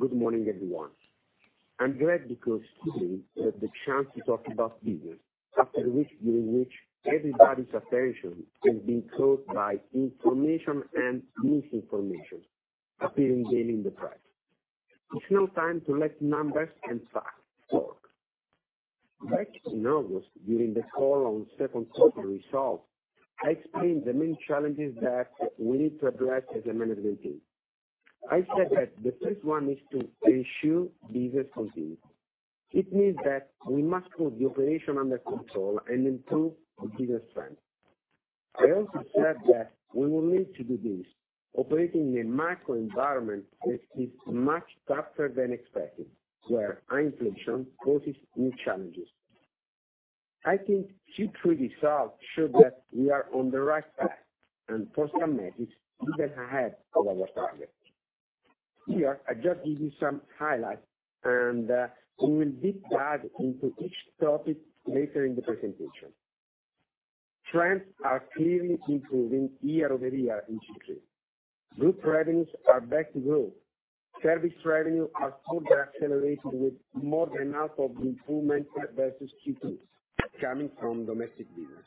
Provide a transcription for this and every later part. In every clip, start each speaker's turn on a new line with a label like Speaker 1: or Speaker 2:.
Speaker 1: Good morning, everyone. I'm glad because today we have the chance to talk about business, during which everybody's attention has been caught by information and misinformation appearing daily in the press. It's now time to let numbers and facts talk. Back in August, during the call on second quarter results, I explained the main challenges that we need to address as a management team. I said that the first one is to ensure business continues. It means that we must put the operation under control and improve our business strength. I also said that we will need to do this operating in a macro environment which is much tougher than expected, where high inflation causes new challenges. I think Q3 results show that we are on the right path, and for some metrics, even ahead of our targets. Here, I just give you some highlights and, we will deep dive into each topic later in the presentation. Trends are clearly improving year-over-year in Q3. Group revenues are back to growth. Service revenue are further accelerating with more than half of the improvement versus Q2 coming from domestic business.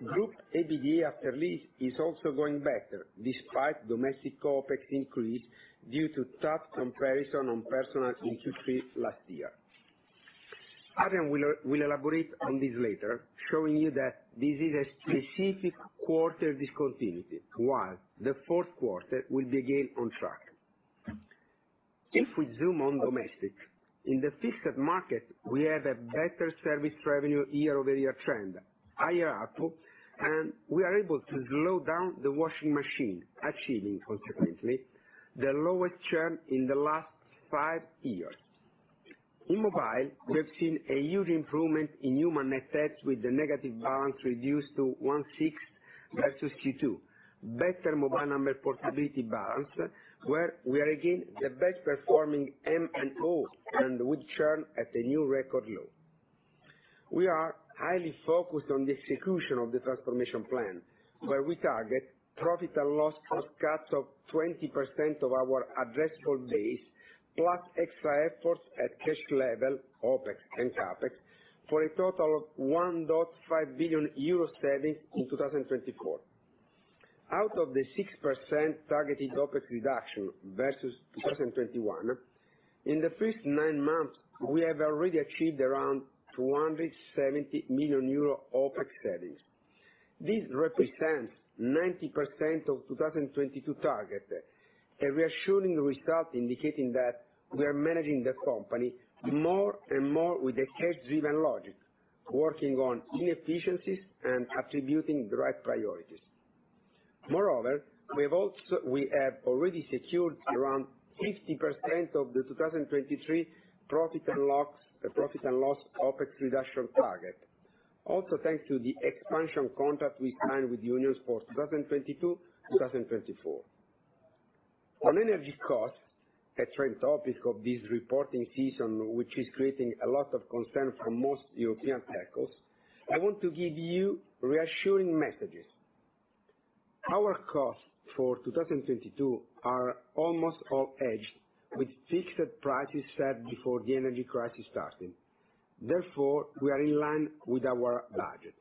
Speaker 1: Group EBITDA after lease is also going better despite domestic OpEx increase due to tough comparison on personnel in Q3 last year. Adrian will elaborate on this later, showing you that this is a specific quarter discontinuity, while the fourth quarter will be again on track. If we zoom on domestic, in the fixed market, we have a better service revenue year-over-year trend, higher ARPU, and we are able to slow down the washing machine, achieving consequently the lowest churn in the last five years. In mobile, we have seen a huge improvement in human net adds, with the negative balance reduced to 1/6 versus Q2, better mobile number portability balance, where we are again the best performing MNO, and with churn at a new record low. We are highly focused on the execution of the transformation plan, where we target profit and loss cost cuts of 20% of our addressable base, plus extra efforts at cash level, OpEx, and CapEx, for a total of 1.5 billion euro savings in 2024. Out of the 6% targeted OpEx reduction versus 2021, in the first nine months, we have already achieved around 270 million euro OpEx savings. This represents 90% of 2022 target, a reassuring result indicating that we are managing the company more and more with a cash-driven logic, working on inefficiencies and attributing the right priorities. We have already secured around 50% of the 2023 profit and loss OpEx reduction target, also thanks to the expansion contract we signed with unions for 2022-2024. On energy costs, a trend topic of this reporting season, which is creating a lot of concern for most European telcos, I want to give you reassuring messages. Our costs for 2022 are almost all hedged with fixed prices set before the energy crisis started. Therefore, we are in line with our budget.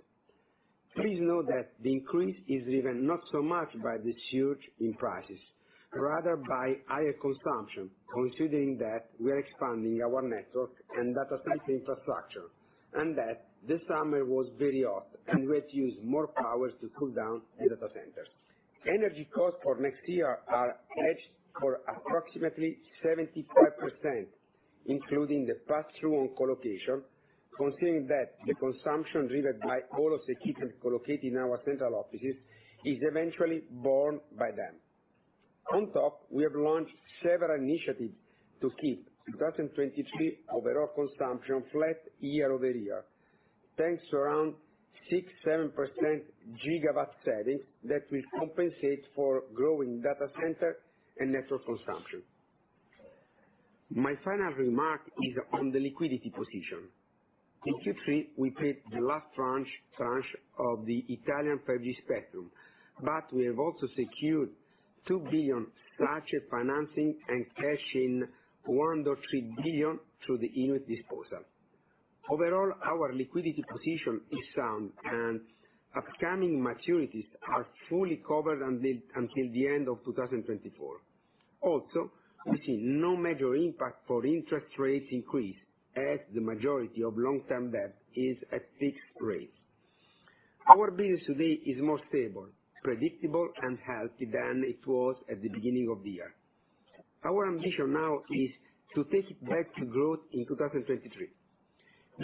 Speaker 1: Please note that the increase is driven not so much by the surge in prices, rather by higher consumption, considering that we are expanding our network and data center infrastructure, and that this summer was very hot and we had to use more power to cool down the data centers. Energy costs for next year are hedged for approximately 75%, including the pass-through on colocation, considering that the consumption driven by all of equipment co-located in our central offices is eventually borne by them. On top, we have launched several initiatives to keep 2023 overall consumption flat year-over-year, thanks to around 6%-7% GW savings that will compensate for growing data center and network consumption. My final remark is on the liquidity position. In Q3, we paid the last tranche of the Italian 5G spectrum, but we have also secured 2 billion larger financing and cashing 1.3 billion through the unit disposal. Overall, our liquidity position is sound and upcoming maturities are fully covered until the end of 2024. Also, we see no major impact for interest rates increase as the majority of long-term debt is at fixed rates. Our business today is more stable, predictable, and healthy than it was at the beginning of the year. Our ambition now is to take it back to growth in 2023.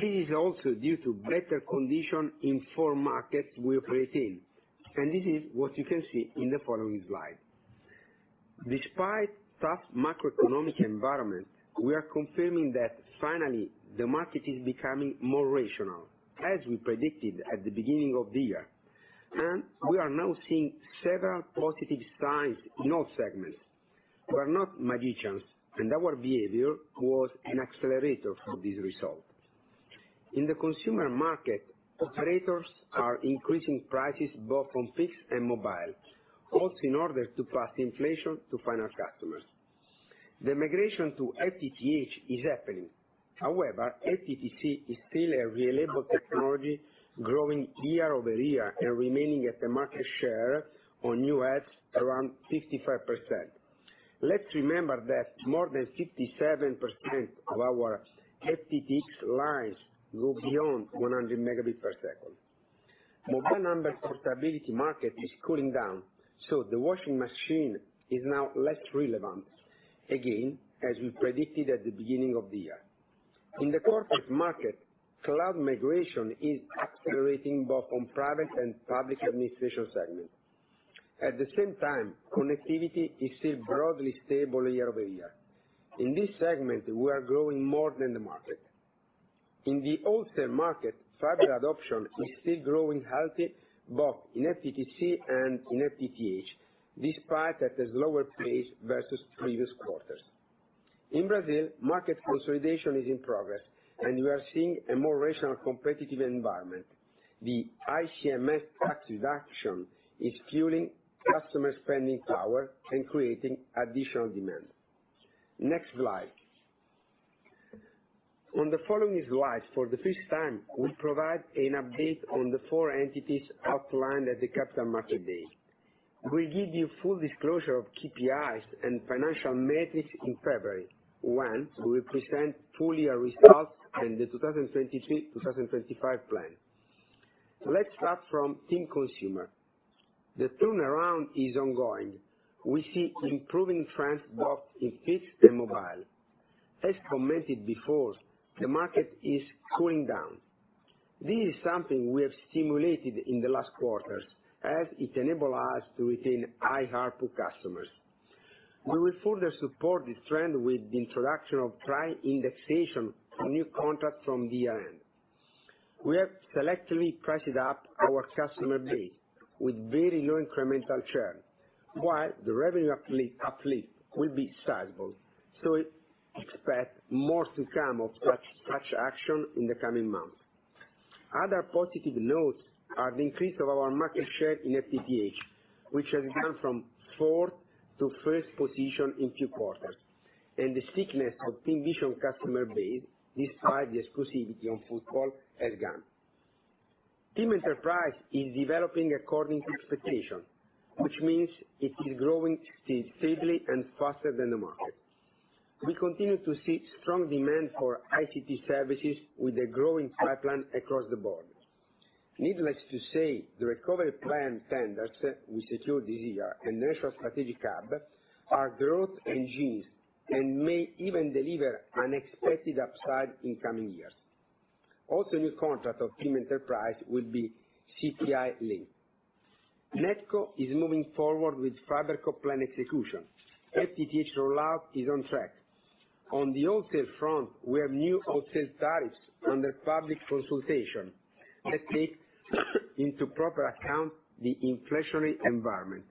Speaker 1: This is also due to better condition in four markets we operate in, and this is what you can see in the following slide. Despite tough macroeconomic environment, we are confirming that finally the market is becoming more rational, as we predicted at the beginning of the year, and we are now seeing several positive signs in all segments. We are not magicians, and our behavior was an accelerator for this result. In the consumer market, operators are increasing prices both from fixed and mobile, also in order to pass inflation to final customers. The migration to FTTH is happening. However, FTTC is still a reliable technology growing year-over-year and remaining at the market share on new adds around 55%. Let's remember that more than 67% of our FTTC lines go beyond 100 Mbps. Mobile number portability market is cooling down, so the washing machine is now less relevant. Again, as we predicted at the beginning of the year. In the corporate market, cloud migration is accelerating both on private and public administration segment. At the same time, connectivity is still broadly stable year-over-year. In this segment, we are growing more than the market. In the wholesale market, fiber adoption is still growing healthy both in FTTC and in FTTH, despite at a slower pace versus previous quarters. In Brazil, market consolidation is in progress, and we are seeing a more rational competitive environment. The ICMS tax reduction is fueling customer spending power and creating additional demand. Next slide. On the following slides, for the first time, we provide an update on the four entities outlined at the Capital Market Day. We give you full disclosure of KPIs and financial metrics in February once we present full year results and the 2023/2025 plan. Let's start from TIM Consumer. The turnaround is ongoing. We see improving trends both in fixed and mobile. As commented before, the market is cooling down. This is something we have stimulated in the last quarters as it enable us to retain high ARPU customers. We will further support this trend with the introduction of price indexation on new contracts from year-end. We have selectively priced up our customer base with very low incremental churn, while the revenue uplift will be sizable, so expect more to come of such action in the coming months. Other positive notes are the increase of our market share in FTTH, which has gone from fourth to first position in two quarters, and the stickiness of TIMvision customer base despite the exclusivity on football has gone. TIM Enterprise is developing according to expectation, which means it is growing steadily and faster than the market. We continue to see strong demand for ICT services with a growing pipeline across the board. Needless to say, the recovery plan tenders we secured this year and National Strategic Hub are growth engines and may even deliver unexpected upside in coming years. Also, new contract of TIM Enterprise will be CPI-linked. NetCo is moving forward with FiberCop plan execution. FTTH rollout is on track. On the wholesale front, we have new wholesale tariffs under public consultation that take into proper account the inflationary environment,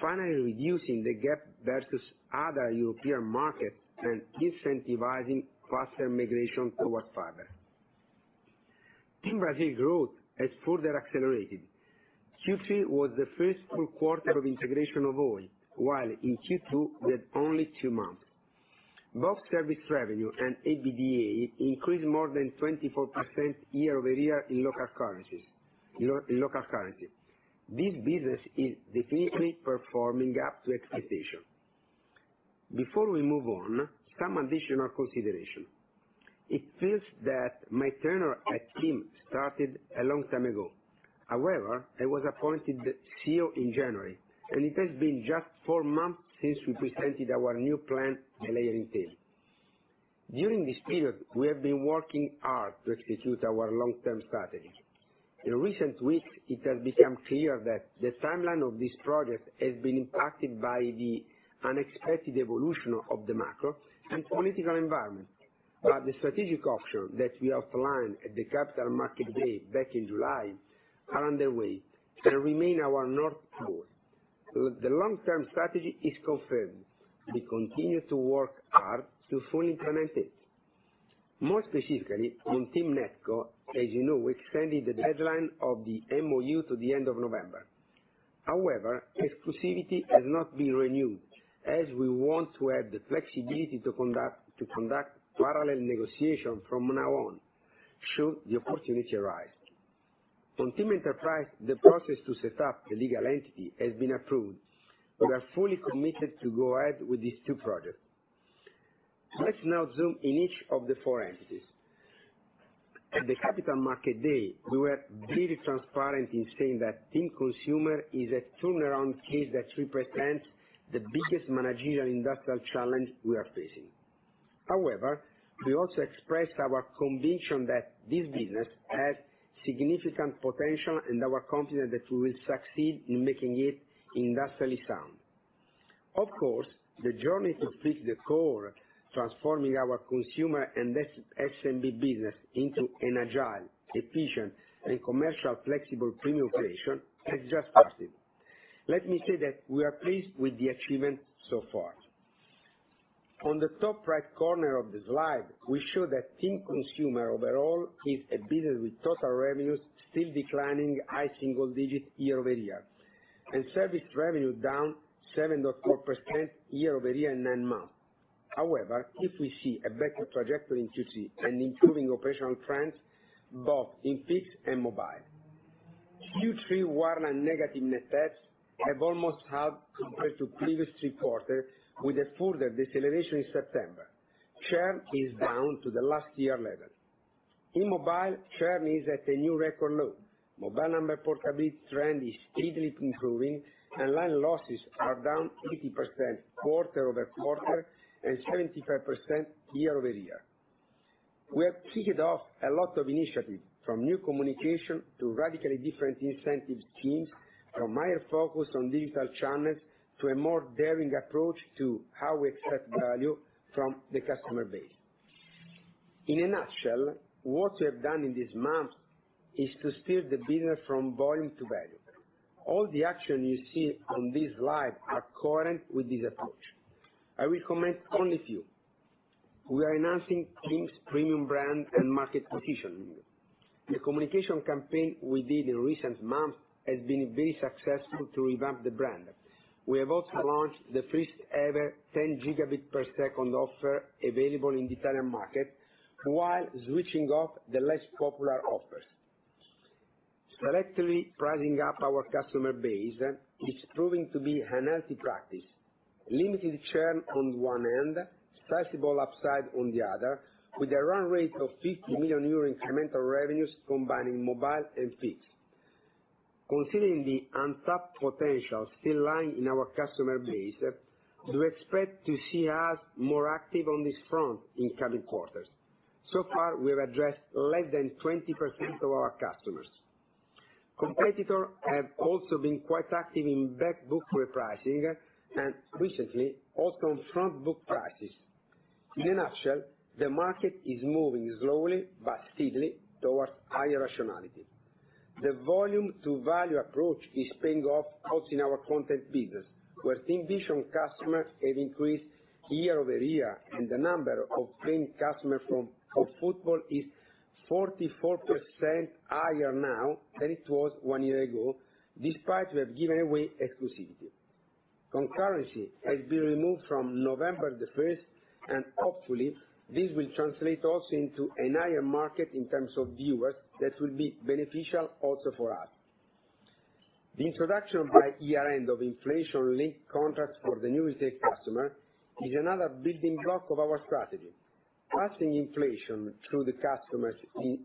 Speaker 1: finally reducing the gap versus other European markets and incentivizing faster migration towards fiber. TIM Brasil growth has further accelerated. Q3 was the first full quarter of integration of Oi, while in Q2 we had only two months. Both service revenue and EBITDA increased more than 24% year-over-year in local currency. This business is definitely performing up to expectation. Before we move on, some additional consideration. It feels that my tenure at TIM started a long time ago. However, I was appointed CEO in January, and it has been just four months since we presented our new plan and our team. During this period, we have been working hard to execute our long-term strategy. In recent weeks, it has become clear that the timeline of this project has been impacted by the unexpected evolution of the macro and political environment. The strategic option that we outlined at the Capital Market Day back in July are underway and remain our North pole. The long-term strategy is confirmed. We continue to work hard to fully implement it. More specifically, on TIM NetCo, as you know, we extended the deadline of the MOU to the end of November. However, exclusivity has not been renewed, as we want to have the flexibility to conduct parallel negotiations from now on should the opportunity arise. On TIM Enterprise, the process to set up the legal entity has been approved. We are fully committed to go ahead with these two projects. Let's now zoom in each of the four entities. At the Capital Market Day, we were very transparent in saying that TIM Consumer is a turnaround case that represents the biggest managerial industrial challenge we are facing. However, we also expressed our conviction that this business has significant potential and are confident that we will succeed in making it industrially sound. Of course, the journey to fix the core, transforming our consumer and SMB business into an agile, efficient, and commercial flexible premium player has just started. Let me say that we are pleased with the achievement so far. On the top right corner of the slide, we show that TIM Consumer overall is a business with total revenues still declining high single digits year-over-year, and service revenue down 7.4% year-over-year in nine months. However, if we see a better trajectory in Q3 and improving operational trends both in fixed and mobile. Q3 where negative net effects have almost halved compared to previous quarters, with a further deceleration in September. Churn is down to the last year level. In mobile, churn is at a new record low. Mobile number portability trend is steadily improving, and line losses are down 80% quarter-over-quarter and 75% year-over-year. We have kicked off a lot of initiatives, from new communication to radically different incentive schemes, from higher focus on digital channels, to a more daring approach to how we extract value from the customer base. In a nutshell, what we have done in this month is to steer the business from volume to value. All the action you see on this slide are in accordance with this approach. I will comment only a few. We are enhancing TIM's premium brand and market positioning. The communication campaign we did in recent months has been very successful to revamp the brand. We have also launched the first-ever 10 Gbps offer available in the Italian market while switching off the less popular offers. Selectively pricing up our customer base is proving to be a healthy practice. Limited churn on one end, sizable upside on the other, with a run rate of 50 million euro incremental revenues combining mobile and fixed. Considering the untapped potential still lying in our customer base, do expect to see us more active on this front in coming quarters. So far, we've addressed less than 20% of our customers. Competitors have also been quite active in back book repricing and recently also on front book prices. In a nutshell, the market is moving slowly but steadily towards higher rationality. The volume to value approach is paying off also in our content business, where TIMvision customers have increased year-over-year, and the number of paying customers for football is 44% higher now than it was one year ago, despite we have given away exclusivity. Concurrency has been removed from November the first, and hopefully this will translate also into a higher market in terms of viewers that will be beneficial also for us. The introduction by year-end of inflation-linked contracts for the new retail customer is another building block of our strategy. Passing inflation through the customers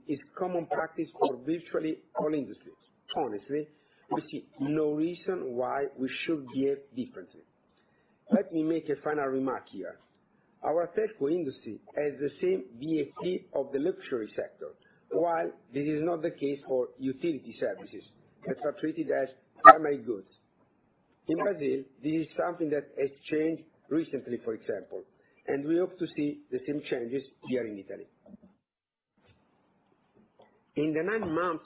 Speaker 1: is common practice for virtually all industries. Honestly, we see no reason why we should behave differently. Let me make a final remark here. Our telco industry has the same VAT of the luxury sector, while this is not the case for utility services that are treated as primary goods. In Brazil, this is something that has changed recently, for example, and we hope to see the same changes here in Italy. In the nine months,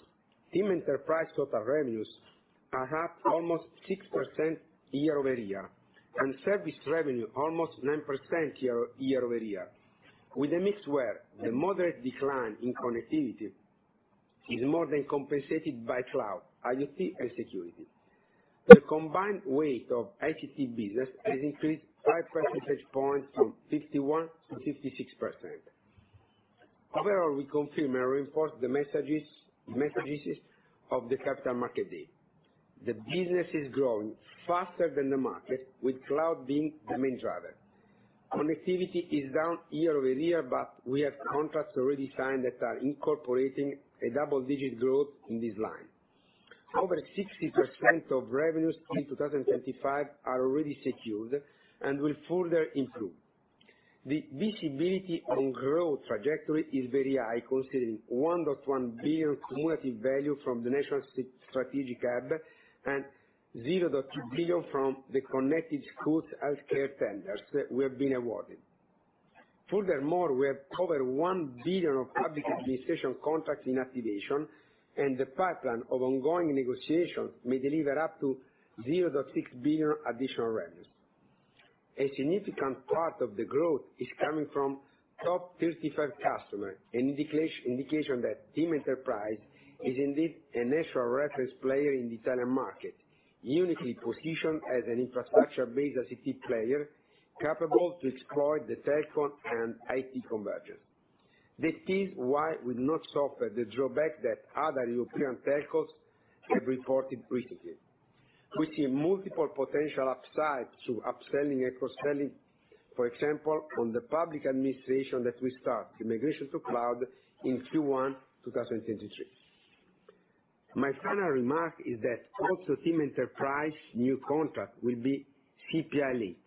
Speaker 1: TIM Enterprise total revenues are up almost 6% year-over-year, and service revenue almost 9% year-over-year. With a mix where the moderate decline in connectivity is more than compensated by cloud, IoT, and security. The combined weight of ICT business has increased 5 percentage points from 51% to 56%. Overall, we confirm and reinforce the messages of the Capital Market Day. The business is growing faster than the market, with cloud being the main driver. Connectivity is down year over year, but we have contracts already signed that are incorporating a double-digit growth in this line. Over 60% of revenues in 2025 are already secured and will further improve. The visibility on growth trajectory is very high, considering 1.1 billion cumulative value from the National Strategic Hub and 200 million from the Connected Schools healthcare tenders that we have been awarded. Furthermore, we have over 1 billion of public administration contracts in activation, and the pipeline of ongoing negotiations may deliver up to 600 million additional revenues. A significant part of the growth is coming from top 35 customers, an indication that TIM Enterprise is indeed a natural reference player in the Italian market, uniquely positioned as an infrastructure-based ICT player capable to exploit the telco and IT convergence. That is why we do not suffer the drawback that other European telcos have reported recently. We see multiple potential upsides to upselling and cross-selling, for example, on the public administration that will start the migration to cloud in Q1 2023. My final remark is that also TIM Enterprise new contract will be CPI-linked.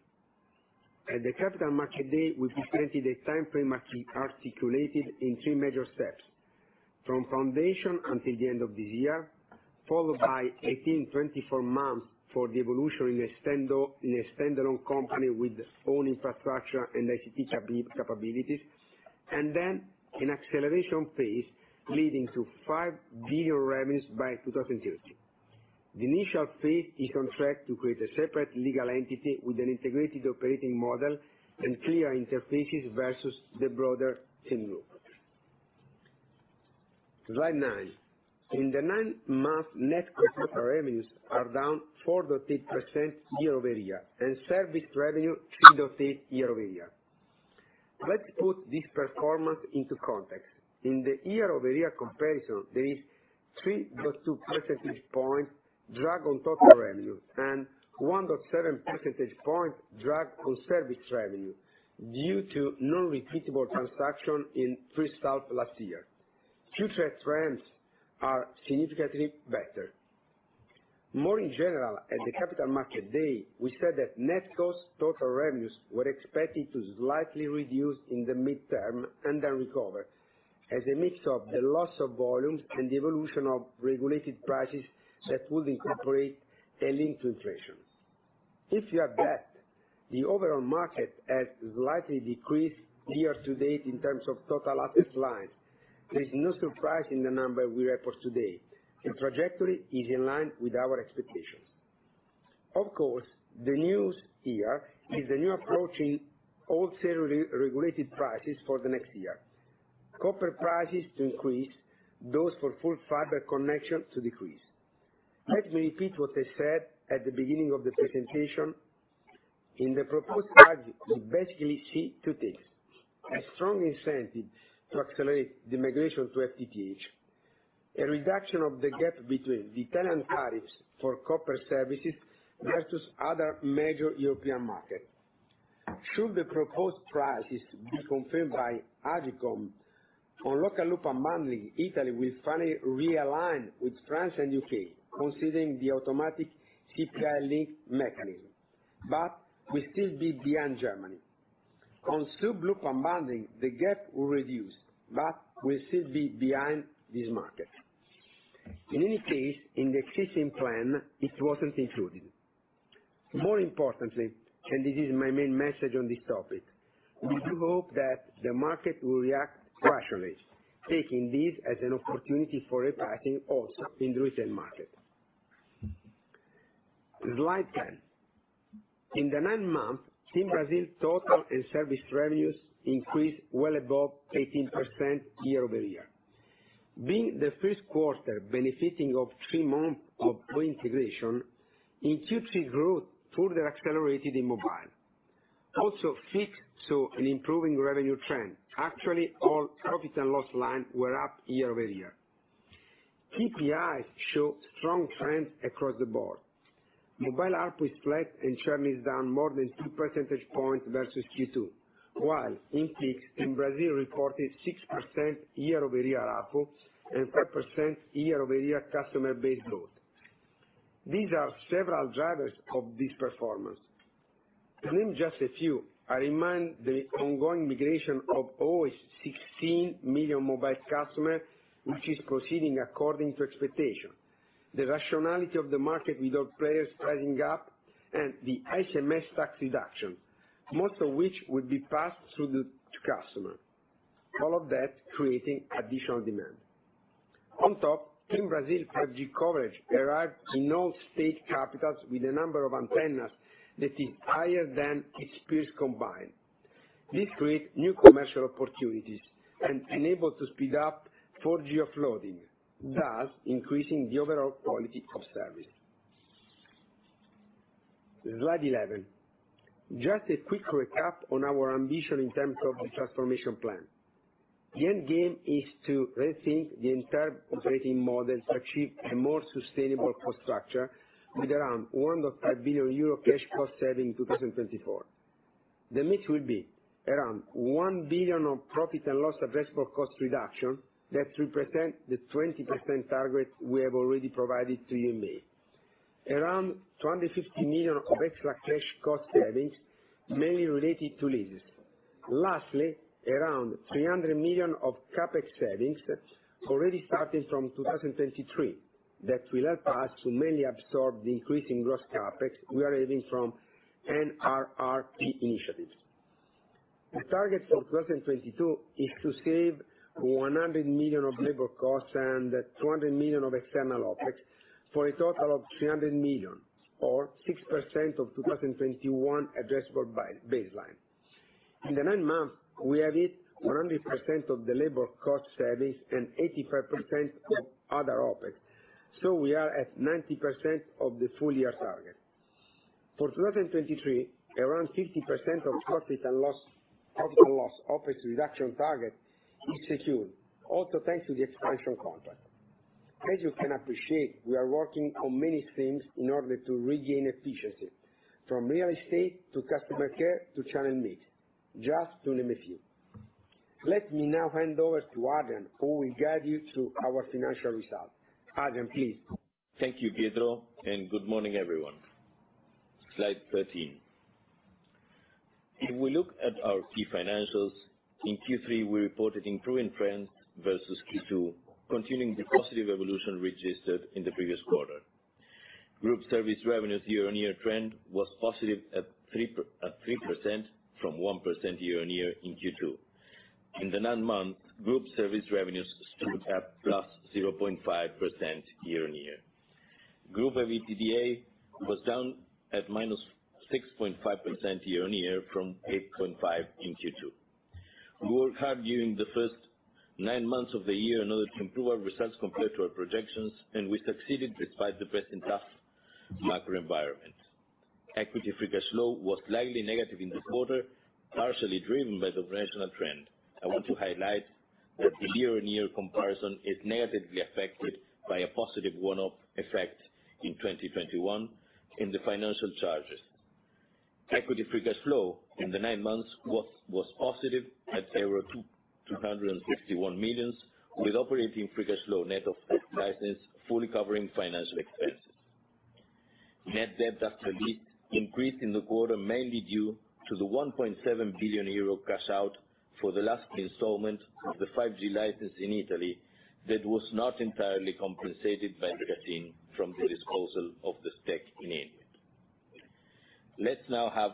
Speaker 1: At the Capital Market Day, we presented a timeframe articulated in three major steps. From foundation until the end of this year, followed by 18-24 months for the evolution in a standalone company with its own infrastructure and ICT capabilities, and then an acceleration phase leading to 5 billion revenues by 2030. The initial phase is on track to create a separate legal entity with an integrated operating model and clear interfaces versus the broader TIM Group. Slide nine. In the nine months, net customer revenues are down 4.8% year-over-year, and service revenue 3.8% year-over-year. Let's put this performance into context. In the year-over-year comparison, there is 3.2 percentage points drag on total revenue and 1.7 percentage points drag on service revenue due to non-repeatable transaction in [FiberCop] last year. Future trends are significantly better. More in general, at the Capital Market Day, we said that next, total revenues were expected to slightly reduce in the midterm and then recover as a mix of the loss of volumes and the evolution of regulated prices that would incorporate a link to inflation. If you look at the overall market has slightly decreased year-to-date in terms of total access line. There is no surprise in the number we report today. The trajectory is in line with our expectations. Of course, the news here is the new approaching wholesale re-regulated prices for the next year. Copper prices to increase, those for full fiber connection to decrease. Let me repeat what I said at the beginning of the presentation. In the proposed regulation, we basically seek two things, a strong incentive to accelerate the migration to FTTH, a reduction of the gap between the current tariffs for copper services versus other major European markets. Should the proposed prices be confirmed by AGCOM on local loop unbundling, Italy will finally realign with France and U.K., considering the automatic CPI link mechanism, but will still be behind Germany. On sub-loop unbundling, the gap will reduce, but will still be behind this market. In any case, in the existing plan, it wasn't included. More importantly, and this is my main message on this topic, we do hope that the market will react rationally, taking this as an opportunity for repricing also in the retail market. Slide 10. In the nine months, TIM Brasil total and service revenues increased well above 18% year-over-year. Being the first quarter benefiting from three months of post-integration, in Q3 growth further accelerated in mobile. Also, fixed saw an improving revenue trend. Actually, all profit and loss lines were up year-over-year. KPIs show strong trends across the board. Mobile ARPU is flat and churn is down more than 2 percentage points versus Q2, while the incumbent in Brazil reported 6% year-over-year ARPU and 5% year-over-year customer base growth. There are several drivers of this performance. To name just a few, I mention the ongoing migration of over 16 million mobile customers, which is proceeding according to expectations. The rationality of the market with all players pricing up and the ICMS tax reduction, most of which will be passed through the customer. All of that creating additional demand. On top, TIM Brasil 5G coverage arrived in all state capitals with a number of antennas that is higher than its peers combined. This create new commercial opportunities and enable to speed up 4G offloading, thus increasing the overall quality of service. Slide 11. Just a quick recap on our ambition in terms of the transformation plan. The end game is to rethink the entire operating model to achieve a more sustainable cost structure with around 1.5 billion euro cash cost saving in 2024. The mix will be around 1 billion of profit and loss addressable cost reduction that represent the 20% target we have already provided to you in May. Around 250 million of extra cash cost savings, mainly related to leases. Lastly, around 300 million of CapEx savings already starting from 2023 that will help us to mainly absorb the increase in gross CapEx we are having from NRRP initiatives. The target for 2022 is to save 100 million of labor costs and 200 million of external OpEx for a total of 300 million or 6% of 2021 addressable baseline. In the nine months, we have hit 100% of the labor cost savings and 85% of other OpEx, so we are at 90% of the full year target. For 2023, around 50% of profit and loss, profit and loss OpEx reduction target is secure, also thanks to the expansion contract. As you can appreciate, we are working on many things in order to regain efficiency, from real estate to customer care to channel mix, just to name a few. Let me now hand over to Adrian, who will guide you through our financial results. Adrian, please.
Speaker 2: Thank you, Pietro, and good morning, everyone. Slide 13. If we look at our key financials, in Q3, we reported improving trends versus Q2, continuing the positive evolution registered in the previous quarter. Group service revenues year-on-year trend was positive at 3% from 1% year-on-year in Q2. In the nine months, group service revenues stood at +0.5% year-on-year. Group EBITDA was down at -6.5% year-on-year from 8.5% in Q2. We worked hard during the first nine months of the year in order to improve our results compared to our projections, and we succeeded despite the present tough macro environment. Equity free cash flow was slightly negative in the quarter, partially driven by the operational trend. I want to highlight that the year-on-year comparison is negatively affected by a positive one-off effect in 2021 in the financial charges. Equity free cash flow in the nine months was positive at 251 million, with operating free cash flow net of license fully covering financial expenses. Net debt after lease increased in the quarter, mainly due to the 1.7 billion euro cash out for the last installment of the 5G license in Italy, that was not entirely compensated by the receipt from the disposal of the stake in INWIT. Let's now have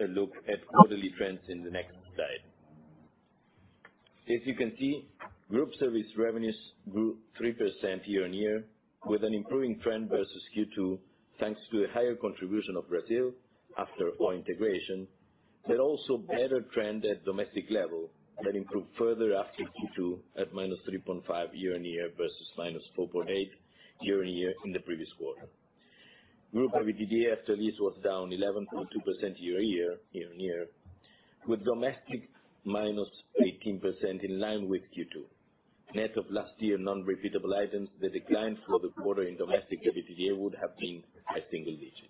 Speaker 2: a look at quarterly trends in the next slide. As you can see, group service revenues grew 3% year-on-year, with an improving trend versus Q2, thanks to a higher contribution of Brazil after full integration, but also better trend at domestic level that improved further after Q2 at -3.5% year-on-year, versus -4.8% year-on-year in the previous quarter. Group EBITDA after lease was down 11.2% year-on-year, with domestic -18% in line with Q2. Net of last year non-repeatable items, the decline for the quarter in domestic EBITDA would have been a single digit.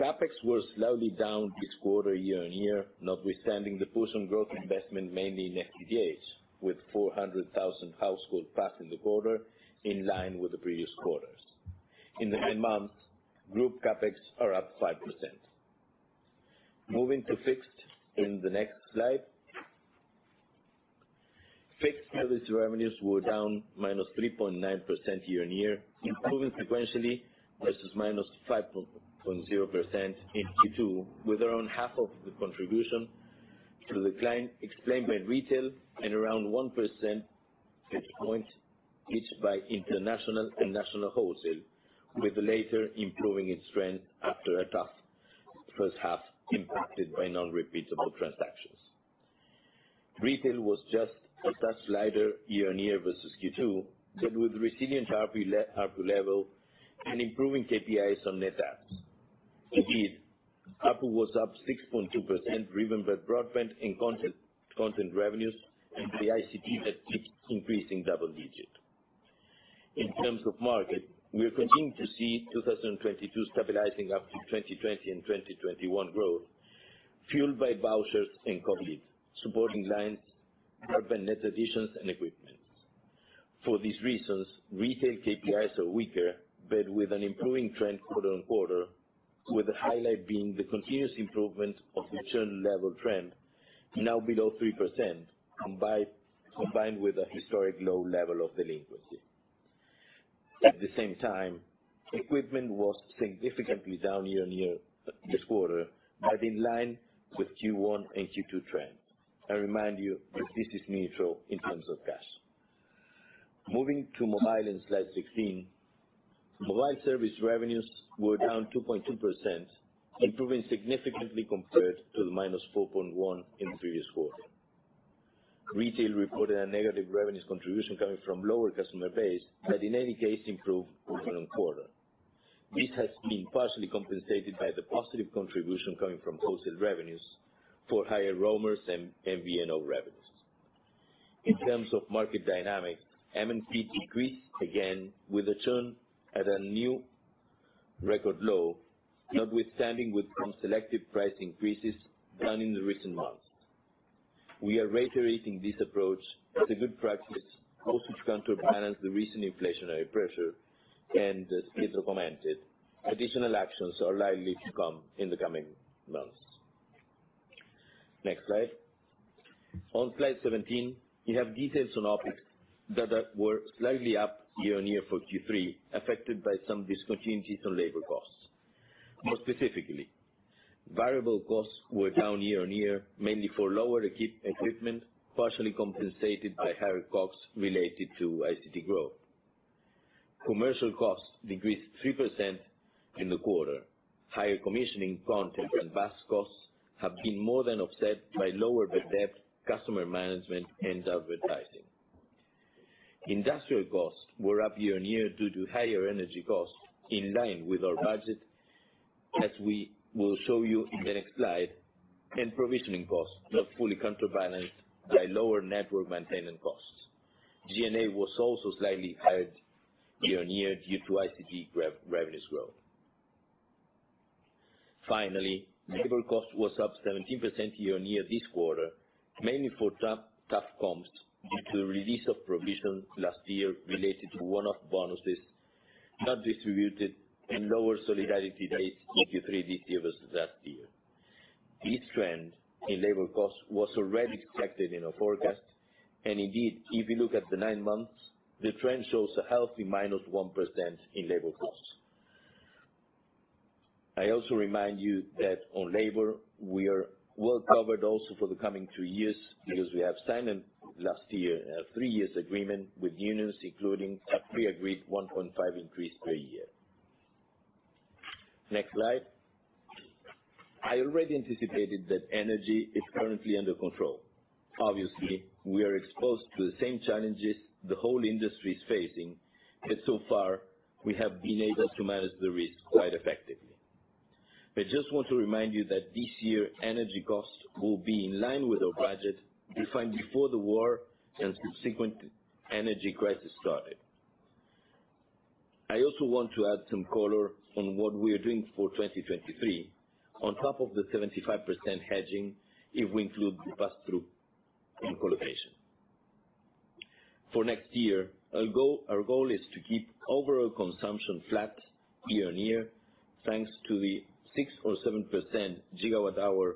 Speaker 2: CapEx were slightly down this quarter year-on-year, notwithstanding the push on growth investment mainly in FTTH, with 400,000 households passed in the quarter in line with the previous quarters. In the nine months, group CapEx are up 5%. Moving to fixed in the next slide. Fixed service revenues were down -3.9% year-on-year, improving sequentially versus -5.0% in Q2, with around half of the contribution to decline explained by retail and around one percentage point each by international and national wholesale, with the latter improving its trend after a tough first half impacted by non-repeatable transactions. Retail was just a touch lighter year-on-year versus Q2, but with resilient ARPU level and improving KPIs on net adds. Indeed, ARPU was up 6.2%, driven by broadband and content revenues and the ICT that keeps increasing double digits. In terms of market, we continue to see 2022 stabilizing after 2020 and 2021 growth, fueled by vouchers and COVID, supporting lines, broadband net additions and equipment. For these reasons, retail KPIs are weaker, but with an improving trend quarter-on-quarter, with the highlight being the continuous improvement of the churn level trend, now below 3%, combined with a historic low level of delinquency. At the same time, equipment was significantly down year-on-year this quarter, but in line with Q1 and Q2 trends. I remind you that this is neutral in terms of cash. Moving to mobile in slide 16. Mobile service revenues were down 2.2%, improving significantly compared to the -4.1% in the previous quarter. Retail reported a negative revenues contribution coming from lower customer base, but in any case improved quarter-on-quarter. This has been partially compensated by the positive contribution coming from wholesale revenues for higher roamers and MVNO revenues. In terms of market dynamics, MNP decreased again with the churn at a new record low, notwithstanding with some selective price increases done in the recent months. We are reiterating this approach as a good practice, both to counterbalance the recent inflationary pressure and as Pietro commented, additional actions are likely to come in the coming months. Next slide. On slide 17, we have details on OpEx that were slightly up year-on-year for Q3, affected by some discontinuities on labor costs. More specifically, variable costs were down year-on-year, mainly for lower equipment, partially compensated by higher costs related to ICT growth. Commercial costs decreased 3% in the quarter. Higher commissioning content and VAS costs have been more than offset by lower bad debt, customer management, and advertising. Industrial costs were up year-over-year due to higher energy costs in line with our budget, as we will show you in the next slide, and provisioning costs not fully counterbalanced by lower network maintenance costs. G&A was also slightly higher year-over-year due to ICT revenues growth. Finally, labor cost was up 17% year-over-year this quarter, mainly for tough comps due to the release of provisions last year related to one-off bonuses not distributed and lower solidarity base Q3 this year versus last year. This trend in labor costs was already expected in our forecast. Indeed, if you look at the nine months, the trend shows a healthy -1% in labor costs. I also remind you that on labor, we are well covered also for the coming two years because we have signed an last year, three years agreement with unions, including a pre-agreed 1.5% increase per year. Next slide. I already anticipated that energy is currently under control. Obviously, we are exposed to the same challenges the whole industry is facing, and so far, we have been able to manage the risk quite effectively. I just want to remind you that this year energy costs will be in line with our budget defined before the war and subsequent energy crisis started. I also want to add some color on what we are doing for 2023 on top of the 75% hedging, if we include the pass-through on colocation. For next year, our goal is to keep overall consumption flat year-on-year, thanks to the 6% or 7% GWh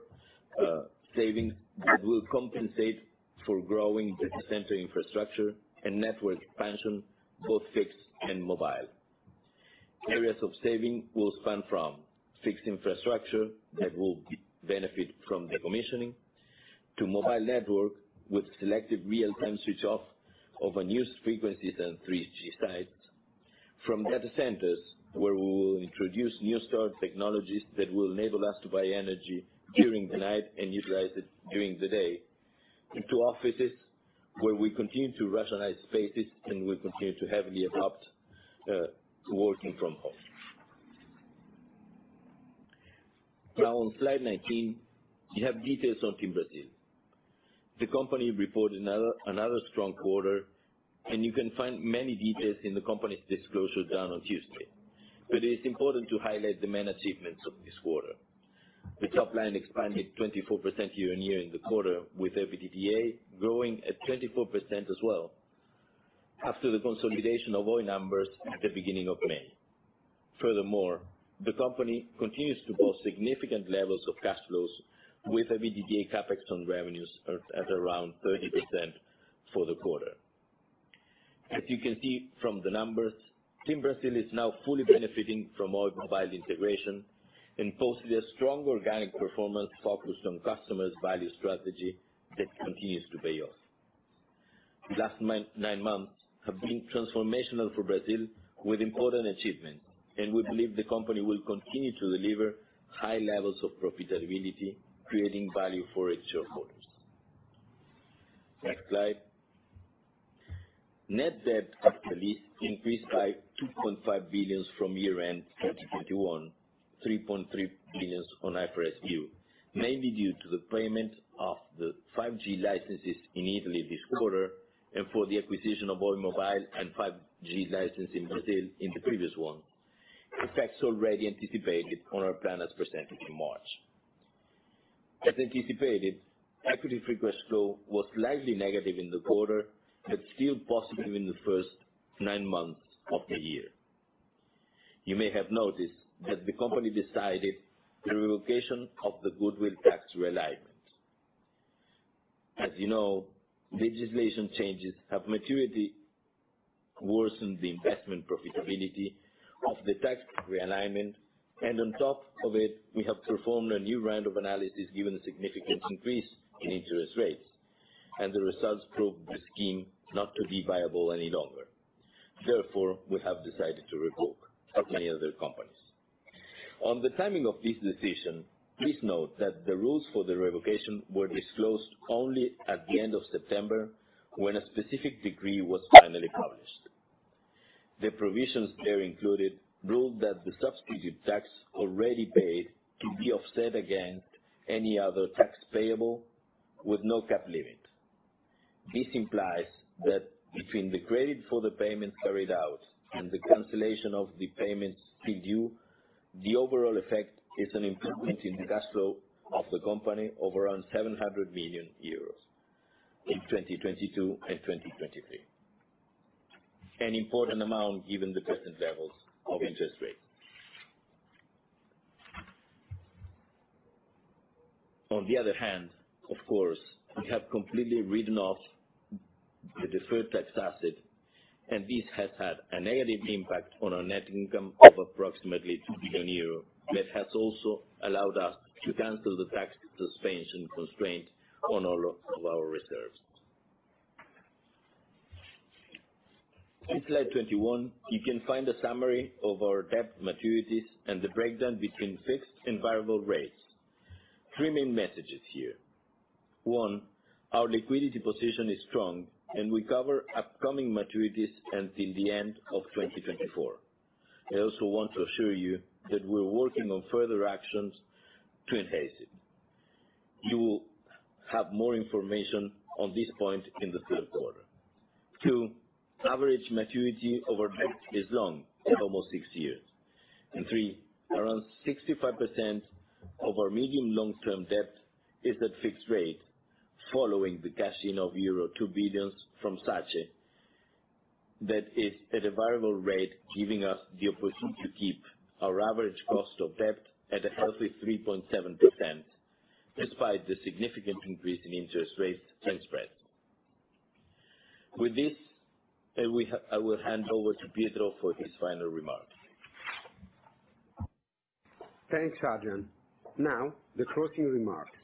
Speaker 2: savings that will compensate for growing data center infrastructure and network expansion, both fixed and mobile. Areas of saving will span from fixed infrastructure that will benefit from decommissioning, to mobile network with selective real-time switch off of unused frequencies and 3G sites. From data centers, where we will introduce new storage technologies that will enable us to buy energy during the night and utilize it during the day, into offices where we continue to rationalize spaces and we continue to heavily adopt working from home. Now on slide 19, you have details on TIM Brasil. The company reported another strong quarter, and you can find many details in the company's disclosure done on Tuesday. It is important to highlight the main achievements of this quarter. The top line expanded 24% year-on-year in the quarter, with EBITDA growing at 24% as well after the consolidation of all numbers at the beginning of May. Furthermore, the company continues to post significant levels of cash flows with EBITDA CapEx on revenues are at around 30% for the quarter. As you can see from the numbers, TIM Brasil is now fully benefiting from all mobile integration and posted a strong organic performance focused on customers value strategy that continues to pay off. Last nine months have been transformational for Brazil with important achievements, and we believe the company will continue to deliver high levels of profitability, creating value for its shareholders. Next slide. Net debt actually increased by 2.5 billion from year-end 2021, 3.3 billion on IFRS 16, mainly due to the payment of the 5G licenses in Italy this quarter and for the acquisition of Oi's mobile and 5G license in Brazil in the previous one. Effects already anticipated in our plan presented in March. As anticipated, equity free cash flow was slightly negative in the quarter, but still positive in the first nine months of the year. You may have noticed that the company decided the revocation of the goodwill tax realignment. As you know, legislation changes have materially worsened the investment profitability of the tax realignment, and on top of it, we have performed a new round of analysis given the significant increase in interest rates, and the results proved the scheme not to be viable any longer. Therefore, we have decided to revoke like many other companies. On the timing of this decision, please note that the rules for the revocation were disclosed only at the end of September when a specific decree was finally published. The provisions there included rules that the substitute tax already paid to be offset against any other tax payable with no cap limit. This implies that between the credit for the payments carried out and the cancellation of the payments due, the overall effect is an improvement in the cash flow of the company of around 700 million euros in 2022 and 2023. An important amount given the present levels of interest rates. On the other hand, of course, we have completely written off the deferred tax asset, and this has had a negative impact on our net income of approximately 2 billion euros, but has also allowed us to cancel the tax suspension constraint on all of our reserves. In slide 21, you can find a summary of our debt maturities and the breakdown between fixed and variable rates. Three main messages here. One, our liquidity position is strong, and we cover upcoming maturities until the end of 2024. I also want to assure you that we're working on further actions to enhance it. You will have more information on this point in the third quarter. Two, average maturity of our debt is long, at almost six years. Three, around 65% of our medium long-term debt is at fixed rate following the cash in of euro 2 billion from SACE. That is at a variable rate giving us the opportunity to keep our average cost of debt at a healthy 3.7% despite the significant increase in interest rates and spreads. With this, I will hand over to Pietro for his final remarks.
Speaker 1: Thanks, Adrian. Now, the closing remarks.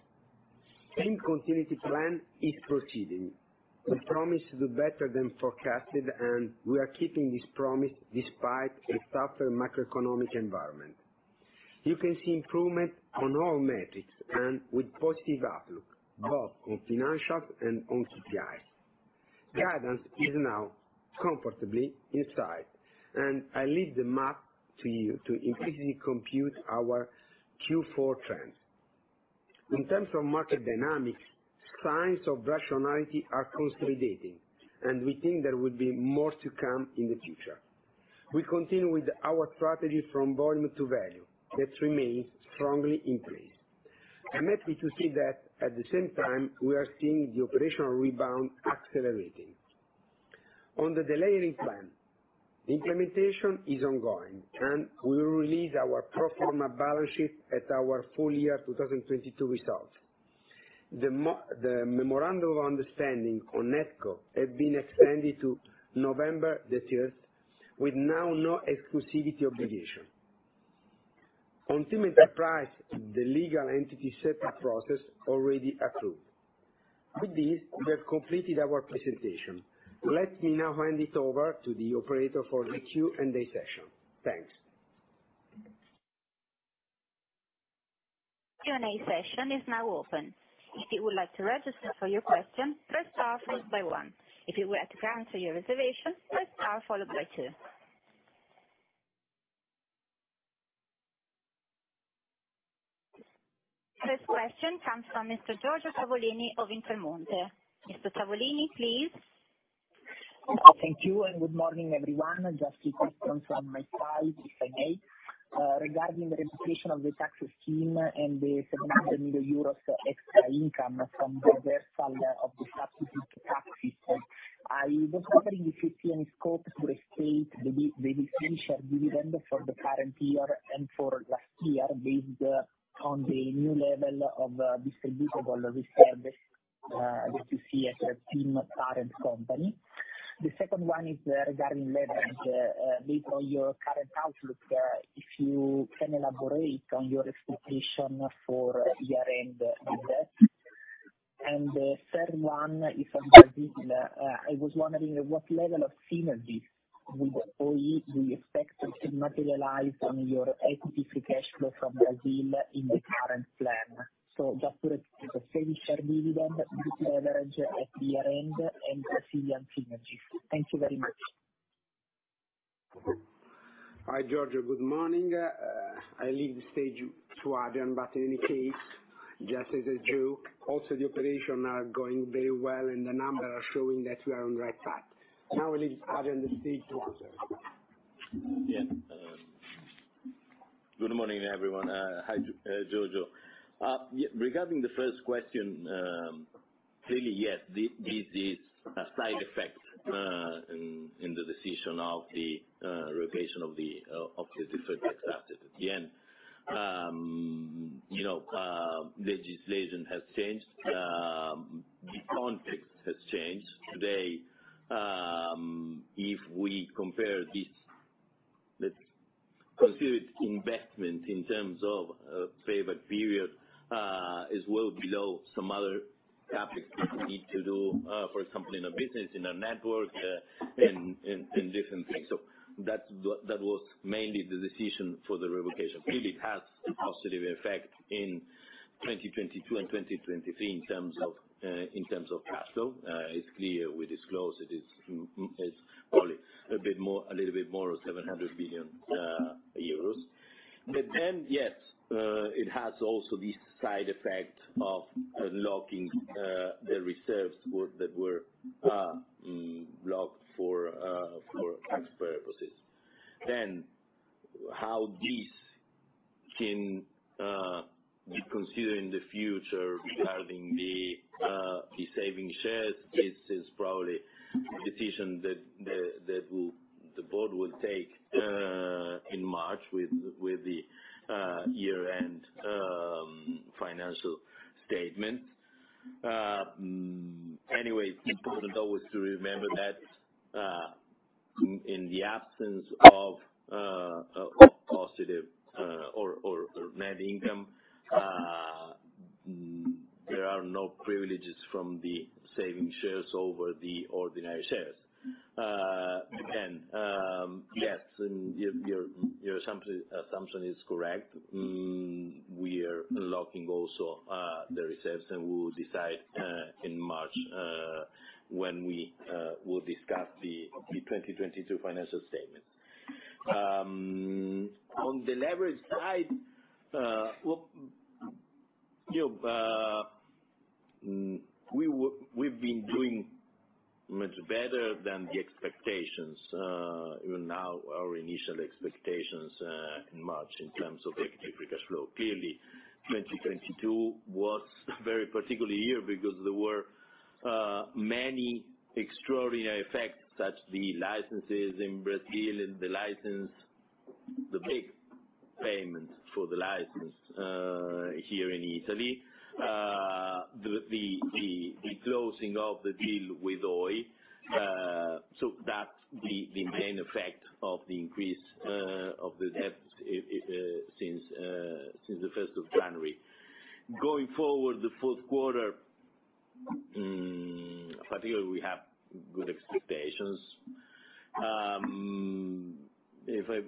Speaker 1: TIM continuity plan is proceeding. We promised to do better than forecasted, and we are keeping this promise despite a tougher macroeconomic environment. You can see improvement on all metrics and with positive outlook, both on financials and on KPIs. Guidance is now comfortably in sight, and I leave the math to you to increasingly compute our Q4 trend. In terms of market dynamics, signs of rationality are consolidating, and we think there will be more to come in the future. We continue with our strategy from volume to value. That remains strongly in place. I'm happy to see that at the same time, we are seeing the operational rebound accelerating. On the de-leveraging plan, implementation is ongoing, and we will release our pro forma balance sheet at our full year 2022 results. The memorandum of understanding on NetCo has been extended to November the 3rd, with now no exclusivity obligation. On TIM Enterprise, the legal entity setup process already approved. With this, we have completed our presentation. Let me now hand it over to the operator for the Q&A session. Thanks.
Speaker 3: Q&A session is now open. If you would like to register for your question, press star followed by one. If you would like to cancel your reservation, press star followed by two. First question comes from Mr. Giorgio Tavolini of Intermonte. Mr. Tavolini, please.
Speaker 4: Thank you and good morning, everyone. Just a few questions from my side, if I may. Regarding the revocation of the tax scheme and the 700 million euros extra income from the reversal of the substitute tax system. I was wondering if you see any scope to restate the distribution dividend for the current year and for last year based on the new level of distributable reserves, that you see as a TIM parent company. The second one is, regarding leverage. Based on your current outlook, if you can elaborate on your expectation for year-end net debt. The third one is on Brazil. I was wondering what level of synergies with Oi do you expect to materialize on your equity free cash flow from Brazil in the current plan. Just to repeat, saving share dividend, leverage at year-end and Brazilian synergies. Thank you very much.
Speaker 1: Hi, Giorgio. Good morning. I leave the stage to Adrian. In any case, just as a joke, also the operation are going very well and the numbers are showing that we are on the right path. Now I leave Adrian the stage to answer.
Speaker 2: Yeah. Good morning, everyone. Hi, Giorgio. Yeah, regarding the first question, clearly, yes, this is a side effect in the decision of the revocation of the deferred tax asset. At the end, you know, legislation has changed. The context has changed. Today, if we compare this. Let's consider it investment in terms of payback period is well below some other topics we need to do, for example, in our business, in our network, in different things. So that's that was mainly the decision for the revocation. Clearly, it has a positive effect in 2022 and 2023 in terms of cash flow. It's clear we disclose it. It's probably a bit more, a little bit more, 700 billion euros. Yes, it has also this side effect of unlocking the reserves that were locked for tax purposes. How this can be considered in the future regarding the savings shares, this is probably a decision that the board will take in March with the year-end financial statement. Anyway, it's important always to remember that in the absence of positive net income, there are no privileges from the savings shares over the ordinary shares. Again, yes, and your assumption is correct. We are unlocking also the reserves, and we will decide in March when we will discuss the 2022 financial statement. On the leverage side, well, you know, we've been doing much better than the expectations, even our initial expectations in March, in terms of equity free cash flow. Clearly, 2022 was a very particular year because there were many extraordinary effects, such as the licenses in Brazil and the big payment for the license here in Italy. The closing of the deal with Oi, so that's the main effect of the increase of the debt since the first of January. Going forward, the fourth quarter particularly we have good expectations. If I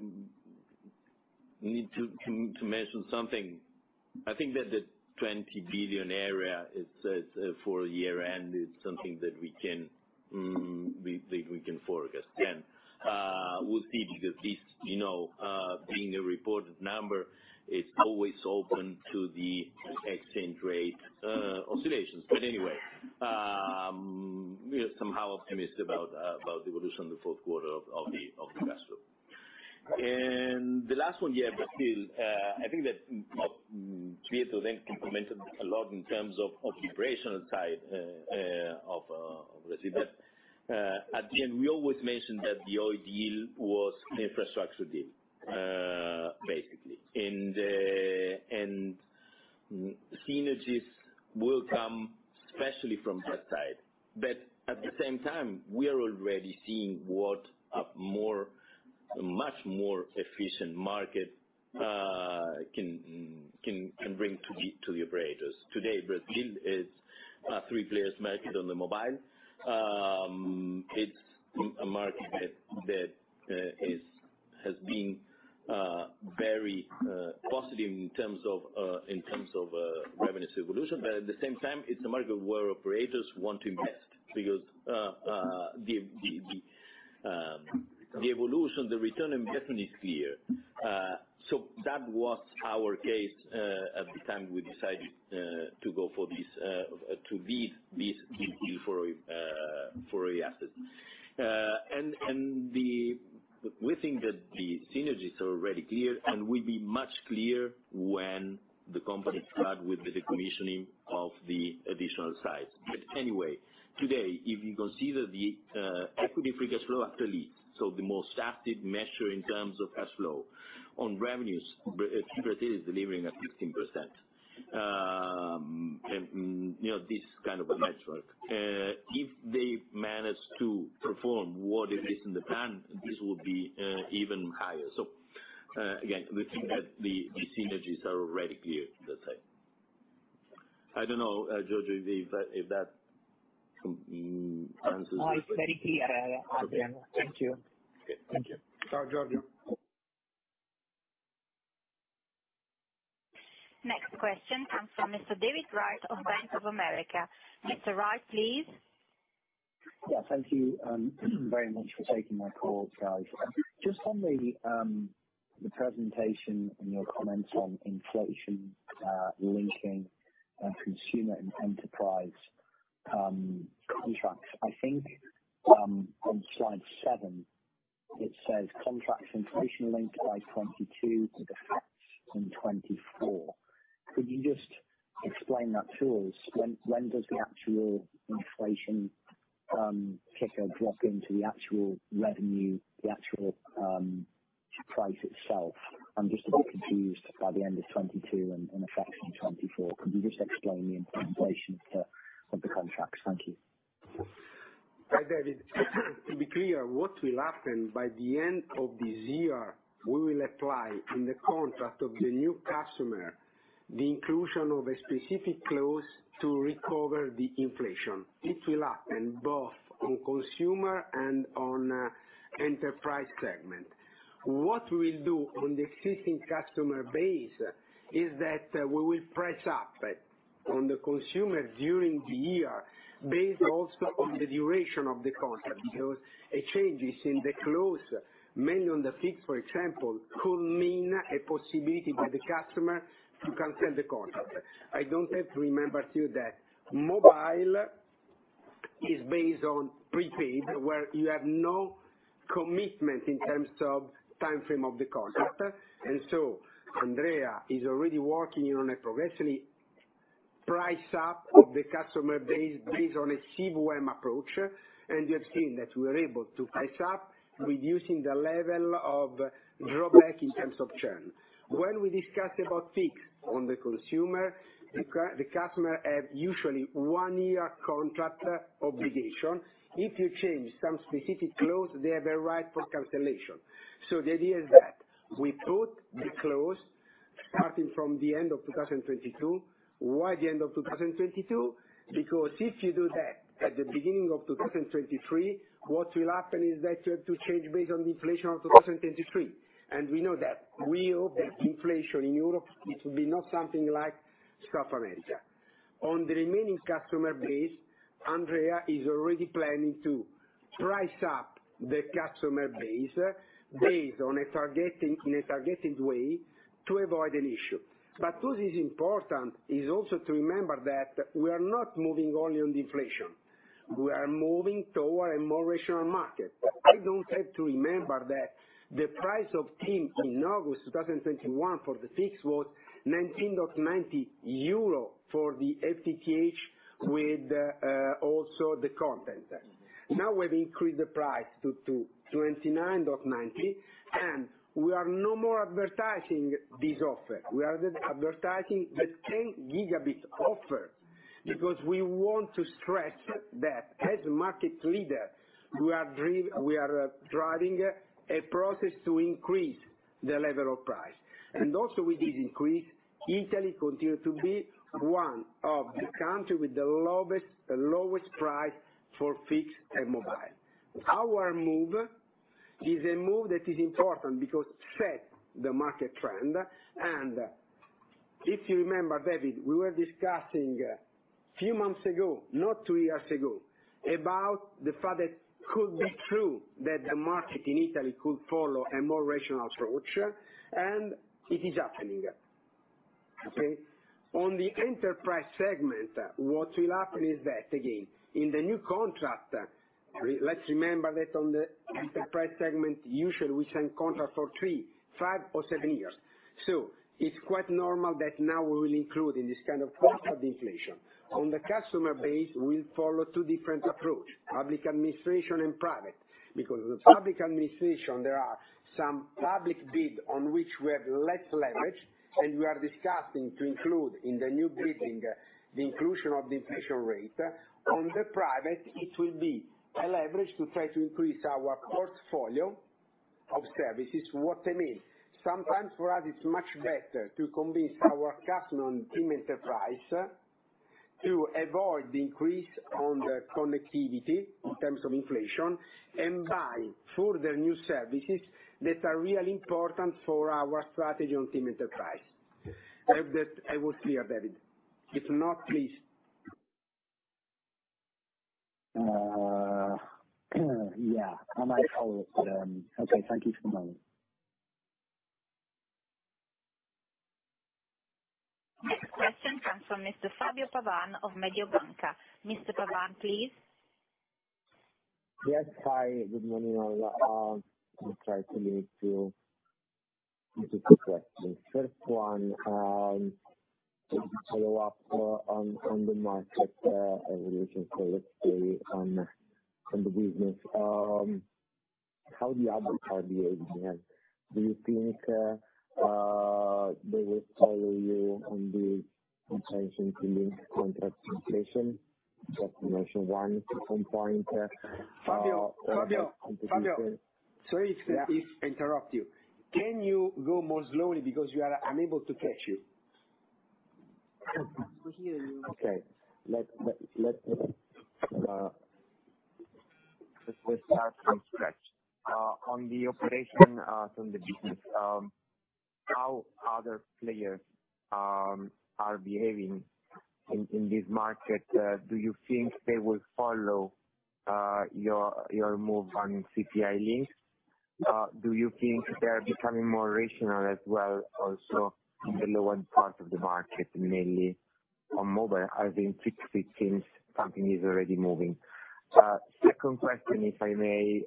Speaker 2: need to mention something, I think that the 20 billion area is for a year-end something that we think we can forecast. We'll see because this, you know, being a reported number, it's always open to the exchange rate oscillations. Anyway, we are somehow optimistic about the evolution in the fourth quarter of the cash flow. The last one, yeah, Brazil. I think that Pietro then implemented a lot in terms of operational side of Brazil. At the end, we always mentioned that the Oi deal was an infrastructure deal, basically. Synergies will come, especially from that side. At the same time, we are already seeing what a more, much more efficient market can bring to the operators. Today, Brazil is a three-player market on the mobile. It's a market that has been very positive in terms of revenues evolution. But at the same time, it's a market where operators want to invest because the evolution, the return on investment is clear. So that was our case at the time we decided to go for this to bid this deal for Oi assets. And we think that the synergies are already clear, and will be much clear when the company start with the decommissioning of the additional sites. But anyway, today, if you consider the equity free cash flow after lease, so the most accurate measure in terms of cash flow. On revenues, Brazil is delivering 15%. And you know, this kind of a network. If they manage to perform what is in the plan, this will be even higher. Again, we think that the synergies are already clear, let's say. I don't know, Giorgio, if that answers.
Speaker 4: Oh, it's very clear, Adrian. Thank you.
Speaker 2: Okay. Thank you.
Speaker 1: Ciao, Giorgio.
Speaker 3: Next question comes from Mr. David Wright of Bank of America. Mr. Wright, please.
Speaker 5: Yeah, thank you very much for taking my calls, guys. Just on the presentation and your comments on inflation linking and consumer and enterprise contracts. I think on slide seven, it says contracts inflation linked by 2022 with effects in 2024. Could you just explain that to us? When does the actual inflation kick or drop into the actual revenue, the actual price itself? I'm just a bit confused by the end of 2022 and effects in 2024. Could you just explain the inflation of the contracts? Thank you.
Speaker 1: Hi, David. To be clear, what will happen by the end of this year, we will apply in the contract of the new customer, the inclusion of a specific clause to recover the inflation. It will happen both on consumer and on enterprise segment. What we'll do on the existing customer base is that we will price up on the consumer during the year, based also on the duration of the contract. Because a changes in the clause mainly on the fixed, for example, could mean a possibility by the customer to cancel the contract. I don't have to remember to you that mobile is based on prepaid, where you have no commitment in terms of timeframe of the contract. Adrian is already working on a progressively price up of the customer base based on a CVM approach. You have seen that we are able to price up, reducing the level of drawback in terms of churn. When we discuss about fixed on the consumer, the customer have usually one-year contract obligation. If you change some specific clause, they have a right for cancellation. The idea is that we put the clause starting from the end of 2022. Why the end of 2022? Because if you do that at the beginning of 2023, what will happen is that you have to change based on the inflation of 2023, and we know that. We hope that inflation in Europe, it will be not something like South America. On the remaining customer base, Adrian is already planning to price up the customer base based on a targeting, in a targeted way to avoid an issue. What is important is also to remember that we are not moving only on the inflation. We are moving toward a more rational market. I don't have to remember that the price of TIM in August 2021 for the fixed was 19.90 euro for the FTTH with also the content. Now we've increased the price to 29.90, and we are no more advertising this offer. We are advertising the 10 Gb offer because we want to stress that as a market leader, we are driving a process to increase the level of price. And also with this increase, Italy continues to be one of the country with the lowest price for fixed and mobile. Our move is a move that is important because it sets the market trend. If you remember, David, we were discussing a few months ago, not two years ago, about the fact that could be true that the market in Italy could follow a more rational approach, and it is happening. Okay? On the enterprise segment, what will happen is that again, in the new contract, let's remember that on the enterprise segment, usually we sign contract for three, five or seven years. So it's quite normal that now we will include in this kind of cost of inflation. On the customer base, we'll follow two different approach, public administration and private. Because the public administration, there are some public bid on which we have less leverage, and we are discussing to include in the new bidding, the inclusion of the inflation rate. On the private, it will be a leverage to try to increase our portfolio of services. What I mean, sometimes for us it's much better to convince our customer in TIM Enterprise to avoid the increase on the connectivity in terms of inflation, and buy further new services that are really important for our strategy in TIM Enterprise. I hope that I was clear, David. If not, please.
Speaker 5: Yeah. I might follow up. Okay. Thank you for the moment.
Speaker 3: Next question comes from Mr. Fabio Pavan of Mediobanca. Mr. Pavan, please.
Speaker 6: Yes. Hi, good morning, all. I'll try to make two, just two questions. First one, follow up on the market evolution, so let's say on the business. How the others are behaving, and do you think they will follow you on the intention to link contracts to inflation? Just to mention one to some point.
Speaker 1: Fabio. Sorry to interrupt you. Can you go more slowly because you are. I'm unable to catch you.
Speaker 6: Okay. Let's start from scratch. On the operation, from the business, how other players are behaving in this market, do you think they will follow your move on CPI links? Do you think they are becoming more rational as well also in the lower part of the market, mainly on mobile? I think fixed it seems something is already moving. Second question, if I may,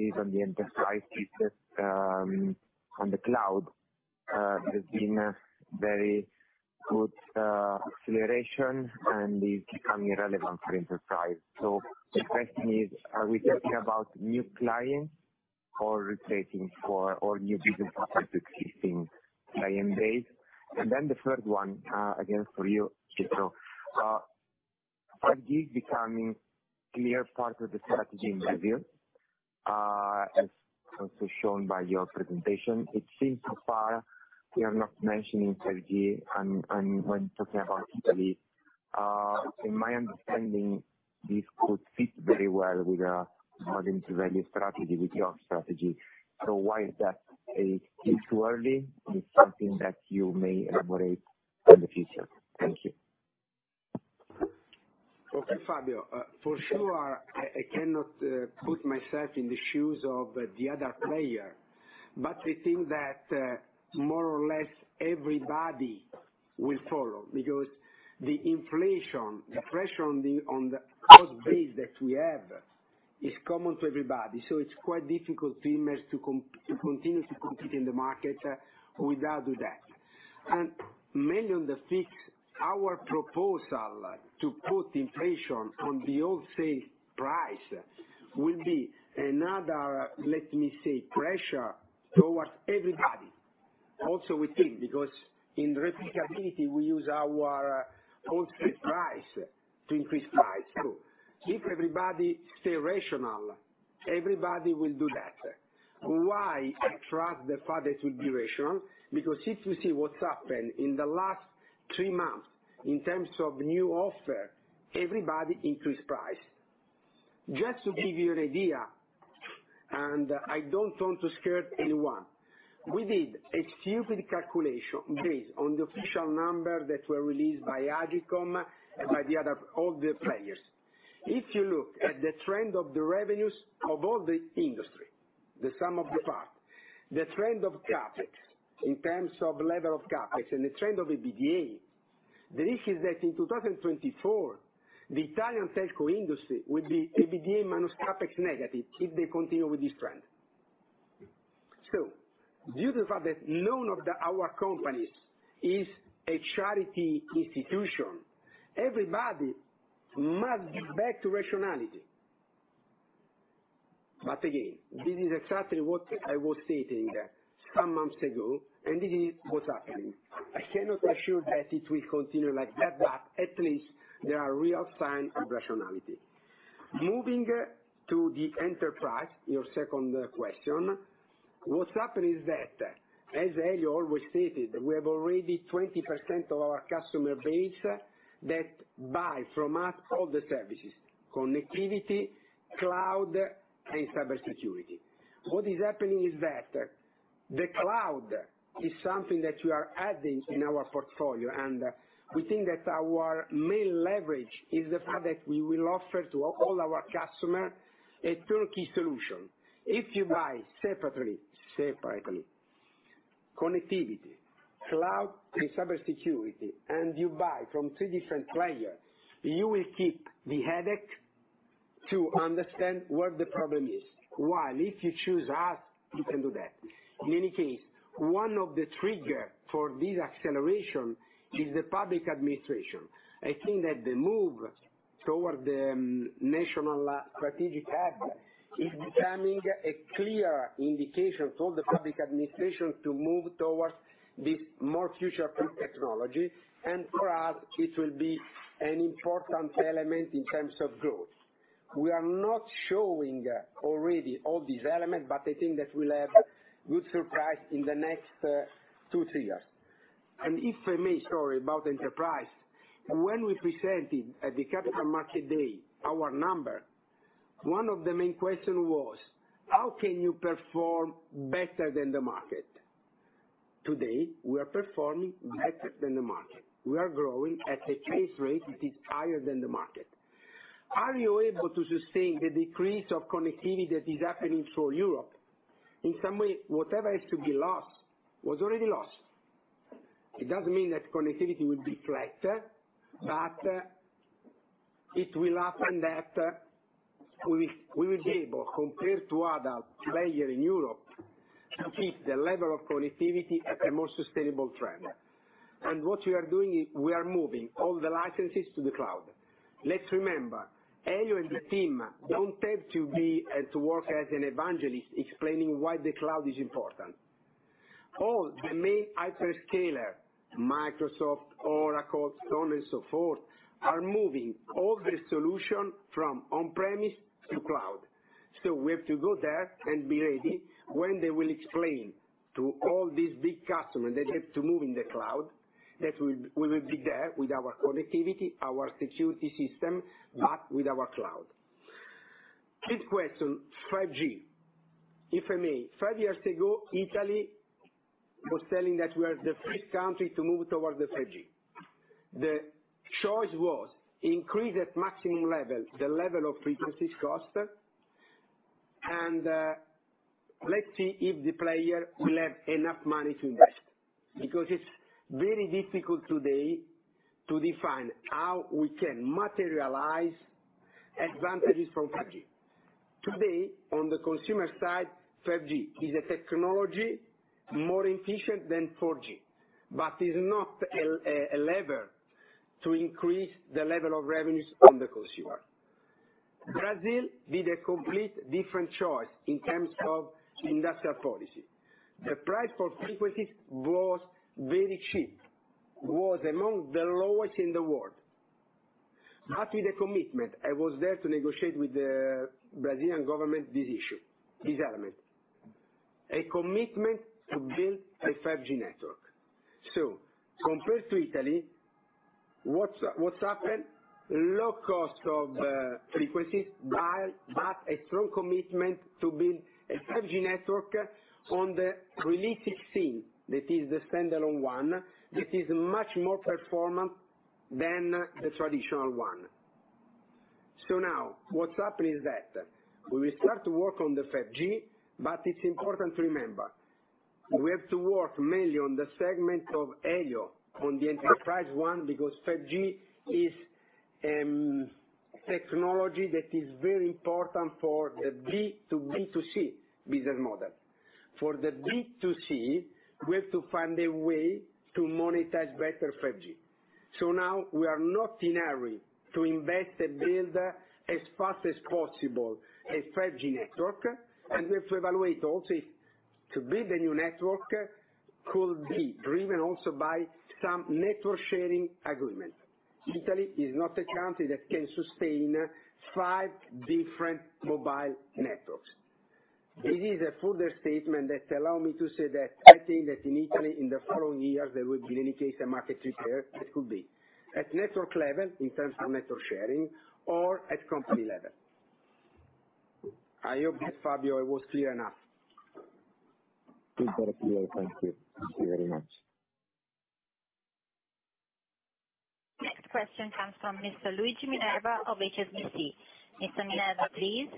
Speaker 6: is on the enterprise business, on the cloud. It has been a very good acceleration and is becoming relevant for enterprise. The question is, are we talking about new clients or replacing for all new business opportunities existing client base? Then the third one, again for you, Pietro. 5G is becoming clear part of the strategy in mobile, as also shown by your presentation. It seems so far you are not mentioning 5G and when talking about Italy. In my understanding, this could fit very well with a modern value strategy, with your strategy. Why is that? Is it too early? Is it something that you may elaborate in the future? Thank you.
Speaker 1: Okay, Fabio. For sure, I cannot put myself in the shoes of the other player, but we think that more or less everybody will follow because the inflation, the pressure on the cost base that we have is common to everybody, so it's quite difficult for Iliad to continue to compete in the market without doing that. Mainly on the fixed, our proposal to put inflation on the old same price will be another, let me say, pressure towards everybody. Also we think because in the replicability we use our own fixed price to increase price. If everybody stay rational, everybody will do that. Why I trust the market will be rational? Because if you see what's happened in the last three months in terms of new offers, everybody increased price. Just to give you an idea, and I don't want to scare anyone, we did a stupid calculation based on the official number that were released by AGCOM and by the other, all the players. If you look at the trend of the revenues of all the industry, the sum of the parts, the trend of CapEx in terms of level of CapEx and the trend of EBITDA, the risk is that in 2024, the Italian telco industry will be EBITDA minus CapEx negative if they continue with this trend. Due to the fact that none of the, our companies is a charity institution, everybody must get back to rationality. But again, this is exactly what I was stating some months ago, and this is what's happening. I cannot assure that it will continue like that, but at least there are real signs of rationality. Moving to the enterprise, your second question. What's happened is that, as Elio always stated, we have already 20% of our customer base that buy from us all the services, connectivity, cloud, and cybersecurity. What is happening is that the cloud is something that we are adding in our portfolio, and we think that our main leverage is the fact that we will offer to all our customer a turnkey solution. If you buy separately, connectivity, cloud, and cybersecurity, and you buy from three different players, you will keep the headache to understand where the problem is. While if you choose us, you can do that. In any case, one of the trigger for this acceleration is the public administration. I think that the move toward the National Strategic Hub is becoming a clear indication to all the public administration to move towards this more future-proof technology. For us, it will be an important element in terms of growth. We are not showing already all these elements, but I think that we'll have good surprise in the next two, three years. If I may, sorry, about Enterprise. When we presented at the Capital Market Day our number, one of the main question was, "How can you perform better than the market?" Today, we are performing better than the market. We are growing at a pace rate that is higher than the market. Are you able to sustain the decrease of connectivity that is happening through Europe? In some way, whatever is to be lost was already lost. It doesn't mean that connectivity will be flat, but it will happen that we will be able, compared to other player in Europe, to keep the level of connectivity at a more sustainable trend. What we are doing is we are moving all the licenses to the cloud. Let's remember, Elio and the team don't have to be to work as an evangelist explaining why the cloud is important. All the main hyperscaler, Microsoft, Oracle, so on and so forth, are moving all the solution from on-premise to cloud. So we have to go there and be ready when they will explain to all these big customers that have to move in the cloud, that we will be there with our connectivity, our security system, but with our cloud. Fifth question, 5G. If I may, five years ago, Italy was telling that we are the first country to move towards the 5G. The choice was increase at maximum level, the level of frequencies cost. Let's see if the player will have enough money to invest. Because it's very difficult today to define how we can materialize advantages from 5G. Today, on the consumer side, 5G is a technology more efficient than 4G, but is not a lever to increase the level of revenues on the consumer. Brazil did a complete different choice in terms of industrial policy. The price for frequencies was very cheap. It was among the lowest in the world. With a commitment, I was there to negotiate with the Brazilian government this issue, this element, a commitment to build a 5G network. Compared to Italy, what's happened? Low cost of frequencies, while a strong commitment to build a 5G network on the Release 16. That is the standalone one. This is much more performant than the traditional one. Now what's happened is that we will start to work on the 5G. It's important to remember, we have to work mainly on the segment of Elio on the enterprise one, because 5G is technology that is very important for a B2C business model. For the B2C, we have to find a way to monetize better 5G. Now we are not in a hurry to invest and build as fast as possible a 5G network. We have to evaluate also if to build a new network could be driven also by some network sharing agreement. Italy is not a country that can sustain five different mobile networks. It is a further statement that allow me to say that I think that in Italy, in the following years, there will be, in any case, a market repair. It could be. At network level, in terms of network sharing or at company level. I hope that, Fabio, I was clear enough.
Speaker 6: Super clear. Thank you. Thank you very much.
Speaker 3: Next question comes from Mr. Luigi Minerva of HSBC. Mr. Minerva, please.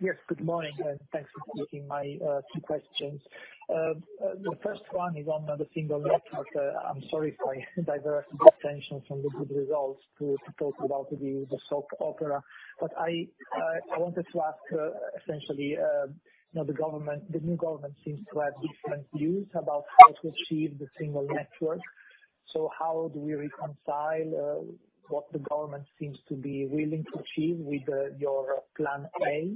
Speaker 7: Yes, good morning, and thanks for taking my two questions. The first one is on the single network. I'm sorry if I divert the attention from the good results to talk about the soap opera. I wanted to ask, essentially, you know, the government, the new government seems to have different views about how to achieve the single network. How do we reconcile what the government seems to be willing to achieve with your plan A?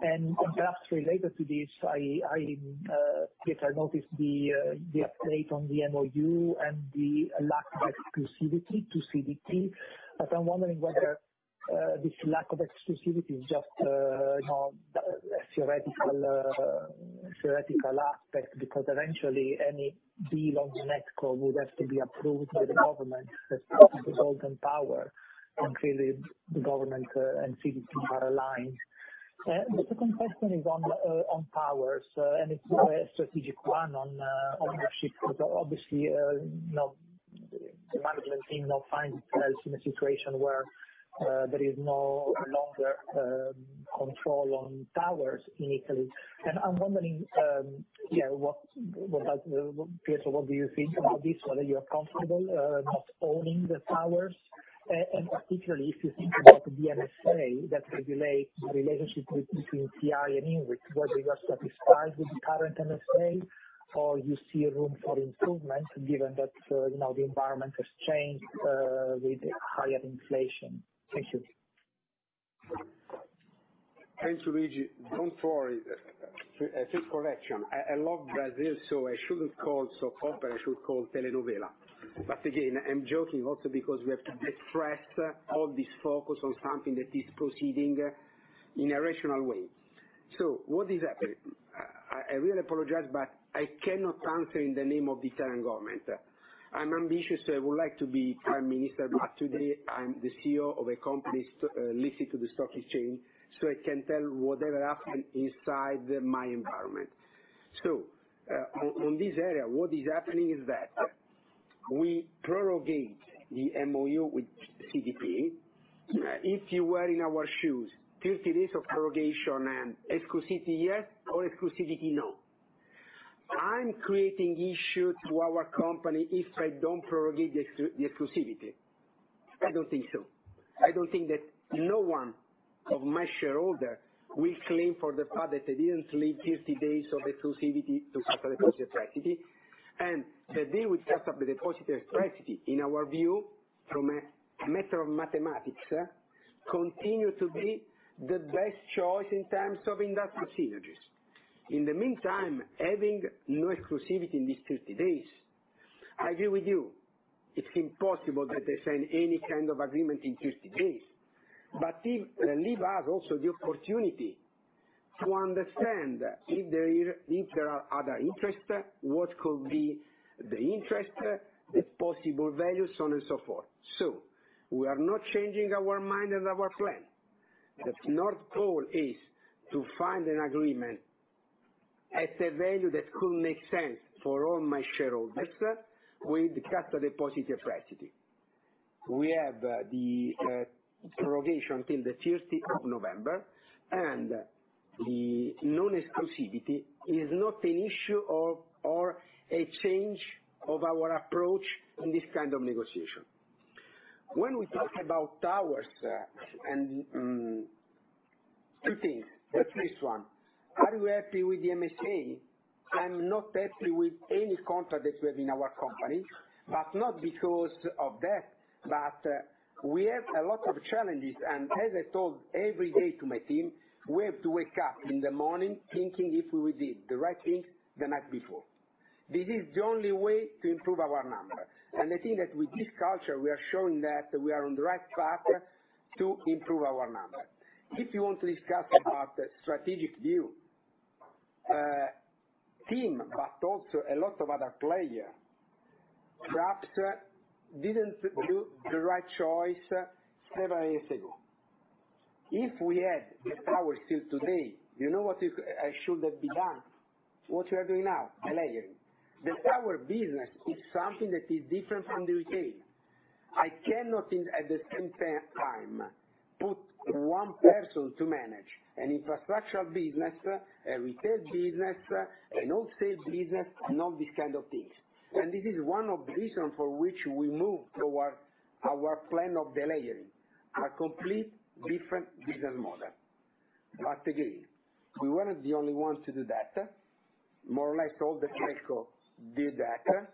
Speaker 7: Perhaps related to this, I get to notice the update on the MOU and the lack of exclusivity to CDP. I'm wondering whether this lack of exclusivity is just, you know, a theoretical aspect because eventually any deal on NetCo would have to be approved by the government as part of the Golden Power, and clearly the government and CDP are aligned. The second question is on towers, and it's more a strategic one on ownership because obviously, you know, the management team now finds itself in a situation where there is no longer control on towers in Italy. I'm wondering, yeah, what Pietro, what do you think about this, whether you're comfortable not owning the towers? Particularly if you think about the MSA that regulate the relationship between TI and INWIT, whether you are satisfied with the current MSA, or you see room for improvement given that, you know, the environment has changed, with higher inflation. Thank you.
Speaker 1: Thanks, Luigi Minerva. Don't worry. First correction. I love Brazil, so I shouldn't call soap opera, I should call telenovela. Again, I'm joking also because we have to de-stress all this focus on something that is proceeding in a rational way. What is happening? I really apologize, but I cannot answer in the name of Italian government. I'm ambitious, so I would like to be prime minister, but today I'm the CEO of a company listed on the stock exchange, so I can tell whatever happened inside my environment. On this area, what is happening is that we prorogate the MOU with CDP. If you were in our shoes, 30 days of prorogation and exclusivity yes or exclusivity no. I'm creating issue to our company if I don't prorogate the exclusivity. I don't think so. I don't think that no one of my shareholder will complain about the fact that they didn't give 30 days of exclusivity to Cassa Depositi e Prestiti. The deal with Cassa Depositi e Prestiti, in our view, as a matter of mathematics, continue to be the best choice in terms of industrial synergies. In the meantime, having no exclusivity in these 30 days, I agree with you, it's impossible that they sign any kind of agreement in 30 days. It leave us also the opportunity to understand if there are other interest, what could be the interest, the possible value, so on and so forth. We are not changing our mind and our plan. The main goal is to find an agreement at a value that could make sense for all my shareholders with Cassa Depositi e Prestiti. We have the prorogation till the 30 of November, and the non-exclusivity is not an issue or a change of our approach in this kind of negotiation. When we talk about towers, two things. The first one, are you happy with the MSA? I'm not happy with any contract that we have in our company, but not because of that. We have a lot of challenges and as I talk every day to my team, we have to wake up in the morning thinking if we did the right thing the night before. This is the only way to improve our number. I think that with this culture, we are showing that we are on the right path to improve our number. If you want to discuss about strategic view, TIM, but also a lot of other players perhaps didn't do the right choice several years ago. If we had the towers till today, you know what I should have done? What we are doing now, layering. The tower business is something that is different from the retail. I cannot at the same time put one person to manage an infrastructure business, a retail business, a wholesale business, and all these kind of things. This is one of the reasons for which we move towards our plan of layering, a completely different business model. Again, we weren't the only ones to do that. More or less, all the telcos do that.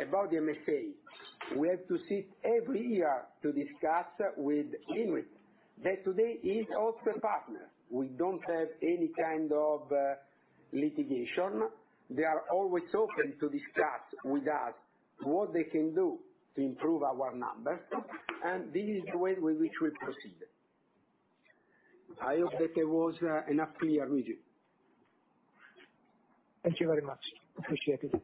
Speaker 1: About the MSA, we have to sit every year to discuss with INWIT that today is also a partner. We don't have any kind of litigation. They are always open to discuss with us what they can do to improve our number, and this is the way with which we proceed. I hope that I was enough clear with you.
Speaker 7: Thank you very much. Appreciate it.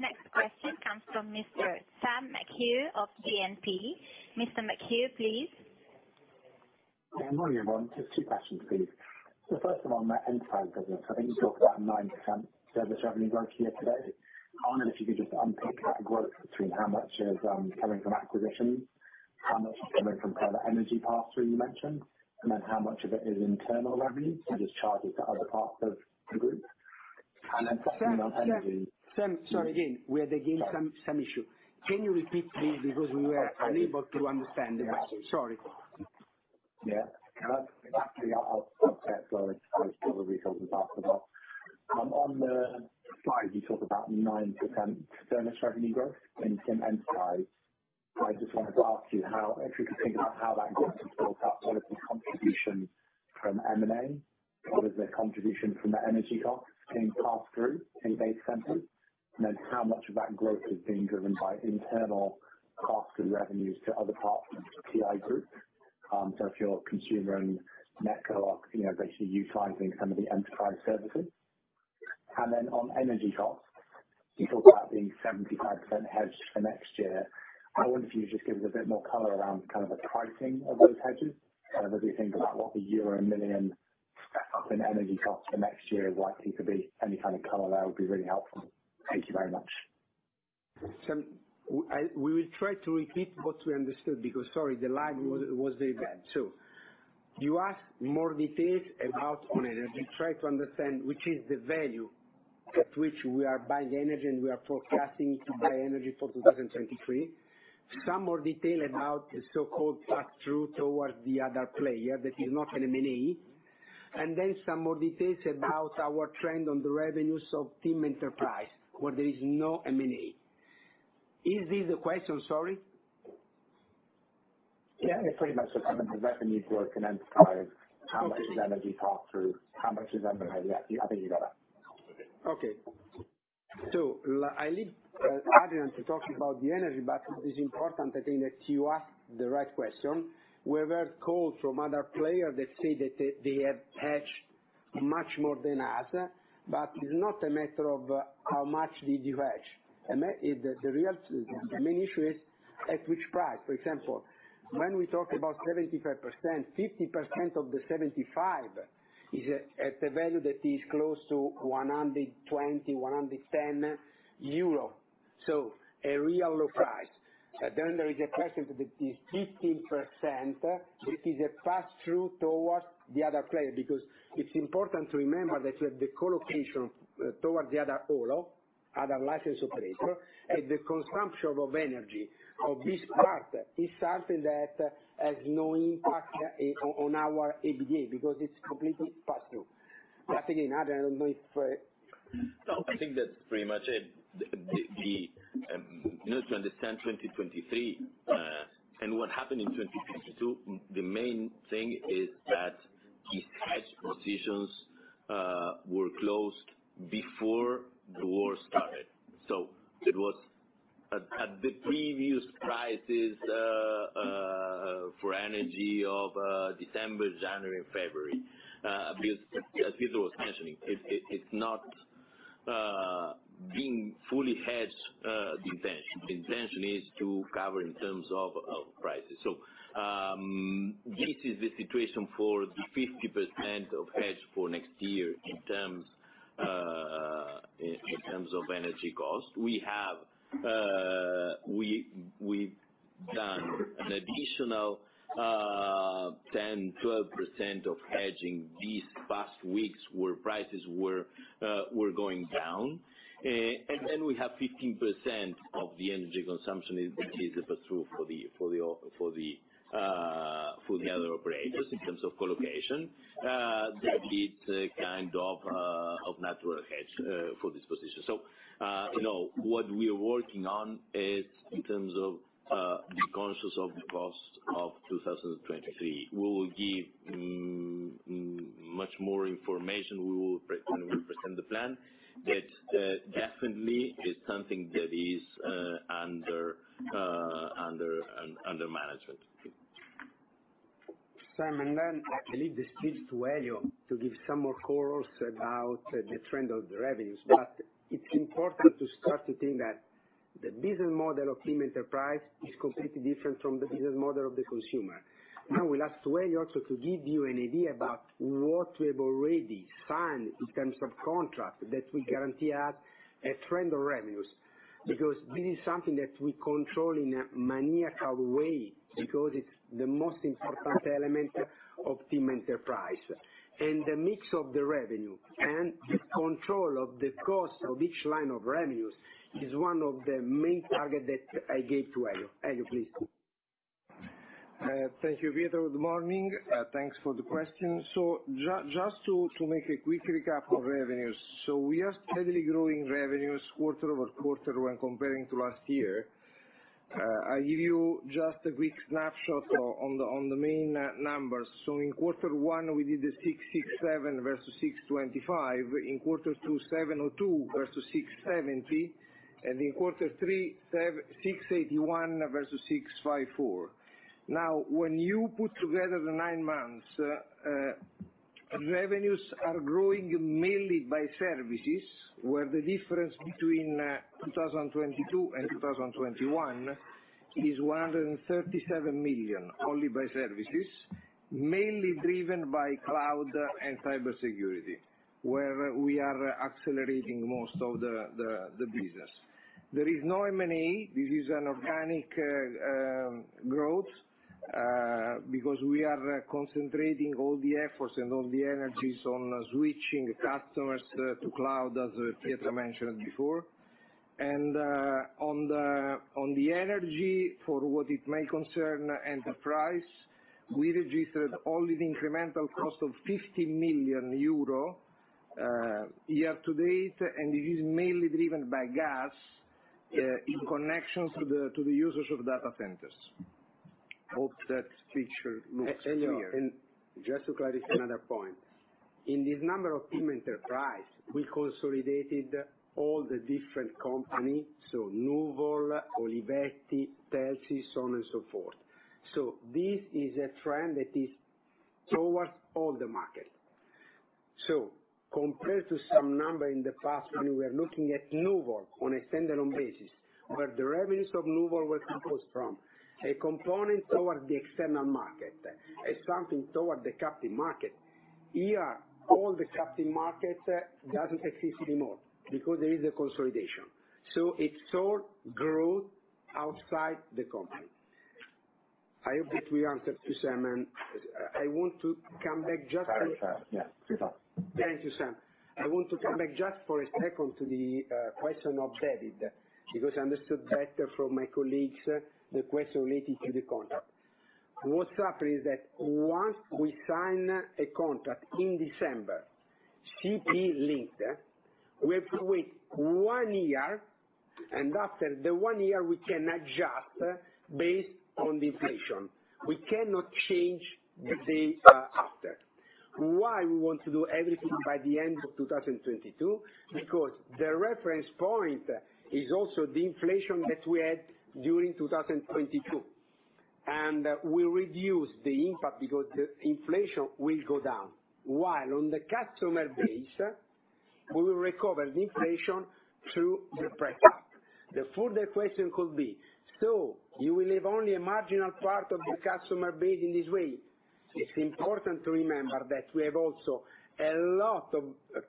Speaker 3: Next question comes from Mr. Sam McHugh of BNP. Mr. McHugh, please.
Speaker 8: Yeah. Morning, everyone. Just two questions, please. First of all, on that enterprise business, I think you talked about 9% service revenue growth year-to-date. I wonder if you could just unpick that growth between how much is coming from acquisitions, how much is coming from kind of energy pass-through you mentioned, and then how much of it is internal revenue, so just charges to other parts of the group. Secondly, on energy.
Speaker 1: Sam, sorry again. We are getting some issue. Can you repeat please, because we were unable to understand. Sorry.
Speaker 8: Yeah. Actually, I'll stay where I was probably.
Speaker 1: Sam, we will try to repeat what we understood because, sorry, the line was very bad. You ask more details about on energy. Try to understand which is the value at which we are buying energy and we are forecasting to buy energy for 2023. Some more detail about the so-called pass-through towards the other player that is not an M&A. And then some more details about our trend on the revenues of TIM Enterprise, where there is no M&A. Is this the question? Sorry.
Speaker 8: Yeah, it's pretty much the revenues for TIM Enterprise. How much is energy pass-through? How much is M&A? Yeah, I think you got it.
Speaker 1: Okay. I leave Adrian to talk about the energy, but it is important, I think, that you ask the right question. We've heard calls from other players that say that they have hedged much more than us, but it's not a matter of how much did you hedge. The real main issue is at which price. For example, when we talk about 75%, 50% of the 75% is at a value that is close to 120, 110 euro. A real low price. Then there is a question to the 15%, which is a pass-through towards the other player, because it's important to remember that the collocation towards the other OLO, other licensed operator, and the consumption of energy of this part is something that has no impact on our EBITDA, because it's completely pass-through. Again, Adrian, I don't know if.
Speaker 2: No, I think that's pretty much it. In order to understand 2023 and what happened in 2022, the main thing is that these hedge positions were closed before the war started. It was at the previous prices for energy of December, January, and February, as Pietro was mentioning. It's not the intention to be fully hedged. The intention is to cover in terms of prices. This is the situation for the 50% of hedge for next year in terms of energy cost. We've done an additional 10%-12% of hedging these past weeks where prices were going down. We have 15% of the energy consumption, which is the pass-through for the other operators in terms of co-location. That is kind of a natural hedge for this position. You know, what we are working on is in terms of being conscious of the cost of 2023. We will give much more information. We will present the plan, but definitely it's something that is under management.
Speaker 1: Sam, I believe this switch to Elio to give some more color about the trend of the revenues. It's important to start to think that the business model of TIM Enterprise is completely different from the business model of the consumer. Now we'll ask Elio to give you an idea about what we have already signed in terms of contract that will guarantee us a trend of revenues. Because this is something that we control in a maniacal way because it's the most important element of TIM Enterprise. The mix of the revenue and the control of the cost of each line of revenues is one of the main target that I gave to Elio. Elio, please.
Speaker 9: Thank you, Pietro. Good morning. Thanks for the question. Just to make a quick recap of revenues. We are steadily growing revenues quarter-over-quarter when comparing to last year. I give you just a quick snapshot on the main numbers. In quarter one, we did 667 million versus 625 million. In quarter two, 702 million versus 670 million. In quarter three, 681 million versus 654 million. Now, when you put together the nine months, revenues are growing mainly by services, where the difference between 2022 and 2021 is 137 million, only by services. Mainly driven by cloud and cybersecurity, where we are accelerating most of the business. There is no M&A. This is an organic growth because we are concentrating all the efforts and all the energies on switching customers to cloud, as Pietro mentioned before. On the energy, for what it may concern Enterprise, we registered only the incremental cost of 50 million euro year to date, and it is mainly driven by gas, in connection to the users of data centers. Hope that picture looks clear.
Speaker 1: Just to clarify another point. In this number of TIM Enterprise, we consolidated all the different companies, so Noovle, Olivetti, Telsy, so on and so forth. This is a trend that is towards all the market. Compared to some number in the past, when we are looking at Noovle on a standalone basis, where the revenues of Noovle were composed from a component towards the external market, as something toward the captive market. Here, all the captive markets doesn't exist anymore because there is a consolidation. It's all growth outside the company. I hope that we answered to Sam, and I want to come back just to.
Speaker 8: Fine, fine yeah. Please go on.
Speaker 1: Thank you, Sam. I want to come back just for a second to the question of David, because I understood better from my colleagues the question related to the contract. What's up is that once we sign a contract in December, CPI linked, we have to wait one year, and after the one year, we can adjust based on the inflation. We cannot change the day after. Why we want to do everything by the end of 2022, because the reference point is also the inflation that we had during 2022, and we reduce the impact because the inflation will go down. While on the customer base, we will recover the inflation through the price up. The further question could be, so you will leave only a marginal part of the customer base in this way. It's important to remember that we have also a lot of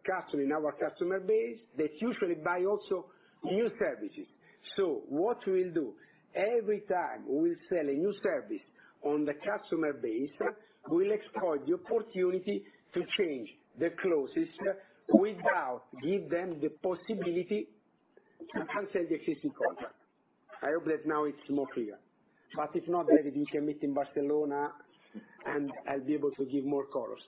Speaker 1: customer in our customer base that usually buy also new services. What we'll do, every time we sell a new service on the customer base, we'll explore the opportunity to change the clauses without give them the possibility to cancel the existing contract. I hope that now it's more clear. If not, David, we can meet in Barcelona, and I'll be able to give more colors.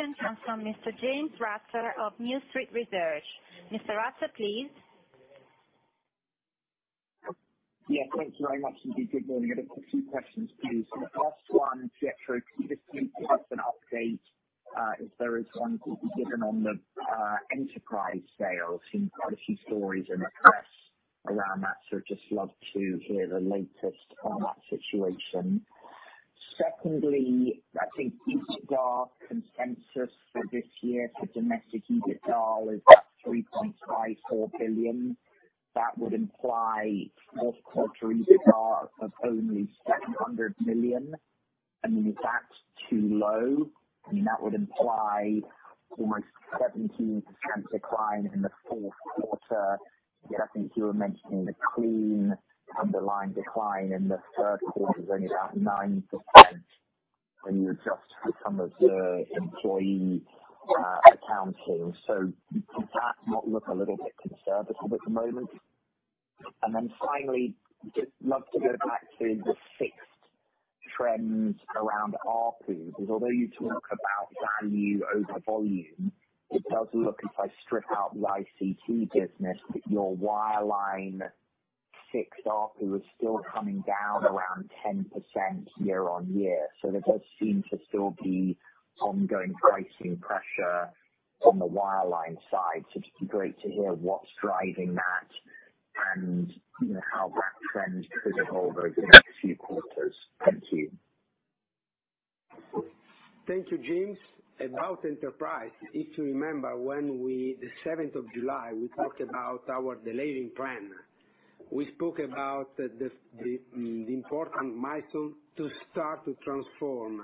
Speaker 3: Next question comes from Mr. James Ratzer of New Street Research. Mr. Ratzer, please.
Speaker 10: Yeah, thank you very much, indeed. Good morning. I've just a few questions, please. The first one, Pietro, could you please give us an update, if there is one to be given on the Enterprise sales? We've got a few stories in the press around that, so just love to hear the latest on that situation. Secondly, I think EBITDA consensus for this year for domestic EBITDA is 3.54 billion. That would imply fourth quarter EBITDA of only 700 million. I mean, is that too low? I mean, that would imply almost 17% decline in the fourth quarter, yet I think you were mentioning the clean underlying decline in the third quarter was only about 9% when you adjust for some of the employee accounting. Does that not look a little bit conservative at the moment? Finally, just love to go back to the fixed trends around ARPU, because although you talk about value over volume, it does look as if I strip out the ICT business that your wireline fixed ARPU is still coming down around 10% year-on-year. There does seem to still be ongoing pricing pressure on the wireline side. It'd just be great to hear what's driving that and how that trend could evolve over the next few quarters. Thank you.
Speaker 1: Thank you, James. About Enterprise, if you remember, the 7th of July, we talked about our delivery plan. We spoke about the important milestone to start to transform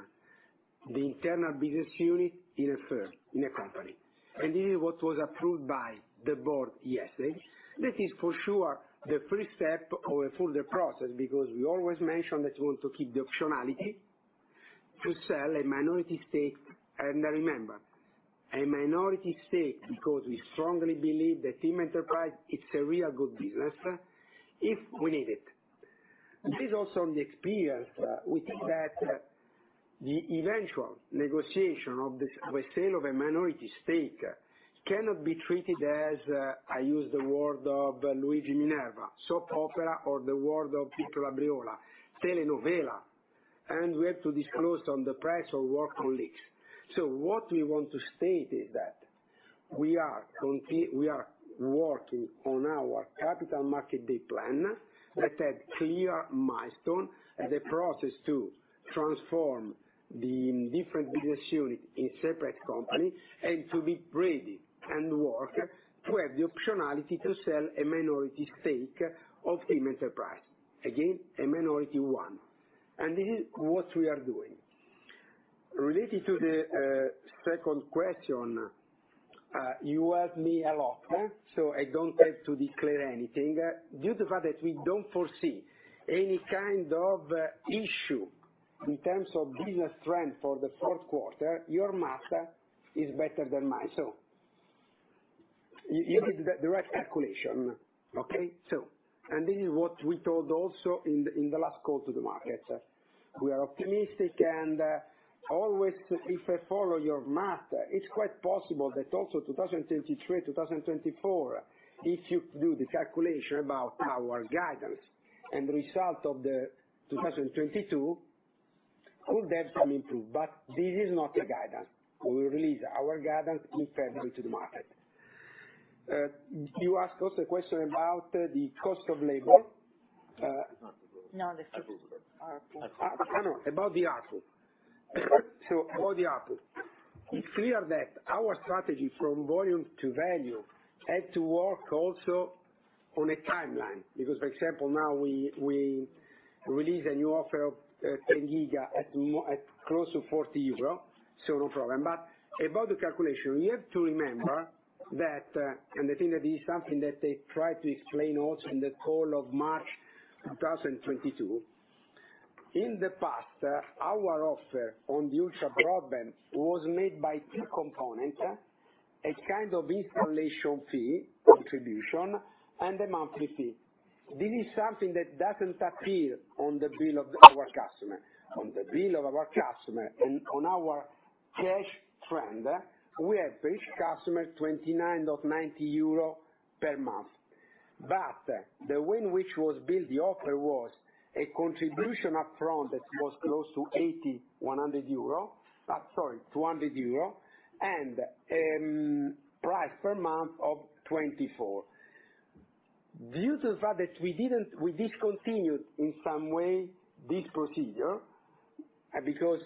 Speaker 1: the internal business unit in a firm, in a company. This is what was approved by the board yesterday. That is for sure the first step of a further process, because we always mention that we want to keep the optionality to sell a minority stake. Remember, a minority stake because we strongly believe that TIM Enterprise is a real good business indeed. Based also on the experience, we think that the eventual negotiation of the sale of a minority stake cannot be treated as, I use the word of Luigi Minerva, soap opera, or the word of Pietro Labriola, telenovela, and we have to disclose on the price or work on leaks. What we want to state is that we are working on our Capital Market Day plan that had clear milestone, the process to transform the different business unit in separate company and to be prepared to work to have the optionality to sell a minority stake of TIM Enterprise. Again, a minority one. This is what we are doing. Related to the second question, you asked me a lot, so I don't have to declare anything. Due to the fact that we don't foresee any kind of issue in terms of business trend for the fourth quarter, your math is better than mine. You did the right calculation. Okay? This is what we told also in the last call to the market. We are optimistic and always, if I follow your math, it's quite possible that also 2023, 2024, if you do the calculation about our guidance and result of the 2022, could then come into. This is not a guidance. We will release our guidance in February to the market. You asked also a question about the cost of labor. About the ARPU. It's clear that our strategy from volume to value had to work also on a timeline. Because, for example, now we release a new offer of 10 Gb at close to 40 euro, so no problem. About the calculation, we have to remember that and the thing that is something that I tried to explain also in the call of March 2022. In the past, our offer on the ultra broadband was made by two components, a kind of installation fee contribution and a monthly fee. This is something that doesn't appear on the bill of our customer. On the bill of our customer and on our cash flow, we have each customer 29.90 euro per month. The way in which was built the offer was a contribution up front that was close to 80-100 euro. Sorry, 200 euro and price per month of 24. Due to the fact that we discontinued, in some way, this procedure, because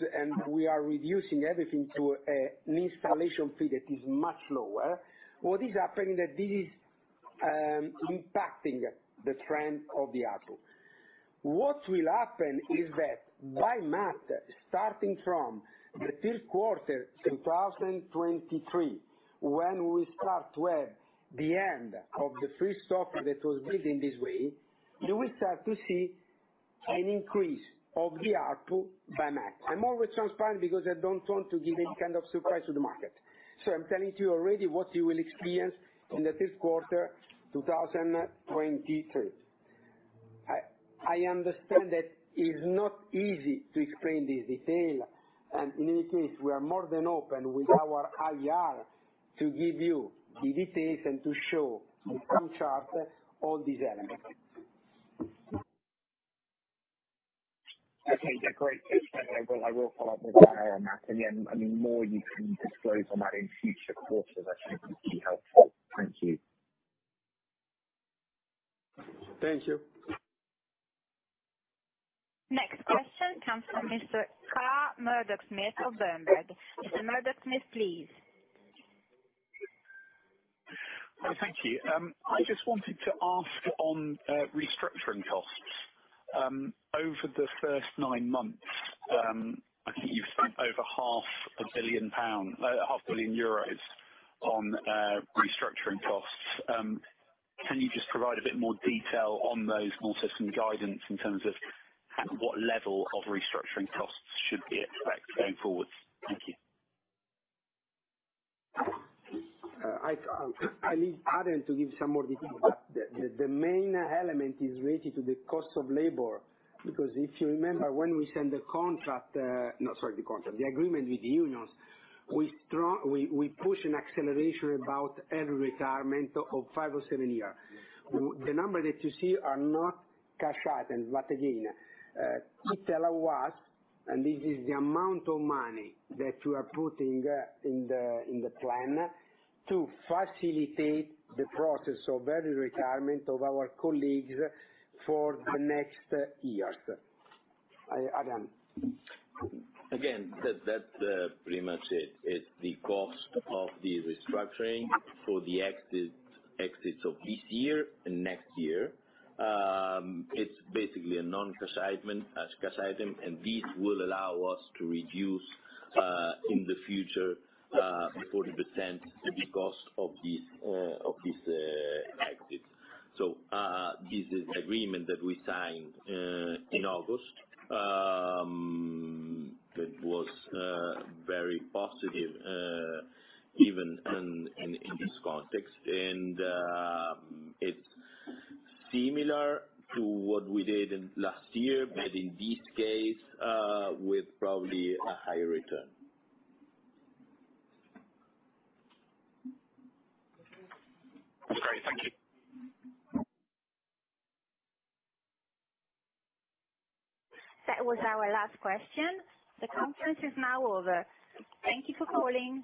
Speaker 1: we are reducing everything to an installation fee that is much lower, what is happening that this is impacting the trend of the ARPU. What will happen is that by math, starting from the third quarter 2023, when we start to have the end of the free software that was built in this way, you will start to see an increase of the ARPU by max. I'm always transparent because I don't want to give any kind of surprise to the market. I'm telling to you already what you will experience in the third quarter 2023. I understand that it's not easy to explain this detail, and in any case we are more than open with our IR to give you the details and to show in some chart all these elements.
Speaker 10: Okay. Yeah, great. Thanks very much. I will follow up. I mean, more you can disclose on that in future quarters, I think it would be helpful. Thank you.
Speaker 1: Thank you.
Speaker 3: Next question comes from Mr. Carl Murdock-Smith of Berenberg. Mr. Murdock-Smith, please.
Speaker 11: Thank you. I just wanted to ask on restructuring costs. Over the first nine months, I think you've spent over half a billion euros on restructuring costs. Can you just provide a bit more detail on those and also some guidance in terms of at what level of restructuring costs should we expect going forward? Thank you.
Speaker 1: I need Adrian to give some more detail. The main element is related to the cost of labor, because if you remember when we signed the agreement with the unions, we strongly push an acceleration about early retirement of five or seven years. The number that you see are not cash item. Again, it tells us, and this is the amount of money that we are putting in the plan to facilitate the process of early retirement of our colleagues for the next years. Adrian.
Speaker 2: That's pretty much it. It's the cost of the restructuring for the exits of this year and next year. It's basically a non-cash item, cash item, and this will allow us to reduce in the future 40% the cost of these exits. This is agreement that we signed in August. That was very positive even in this context. It's similar to what we did in last year, but in this case with probably a higher return.
Speaker 11: Great. Thank you.
Speaker 3: That was our last question. The conference is now over. Thank you for calling.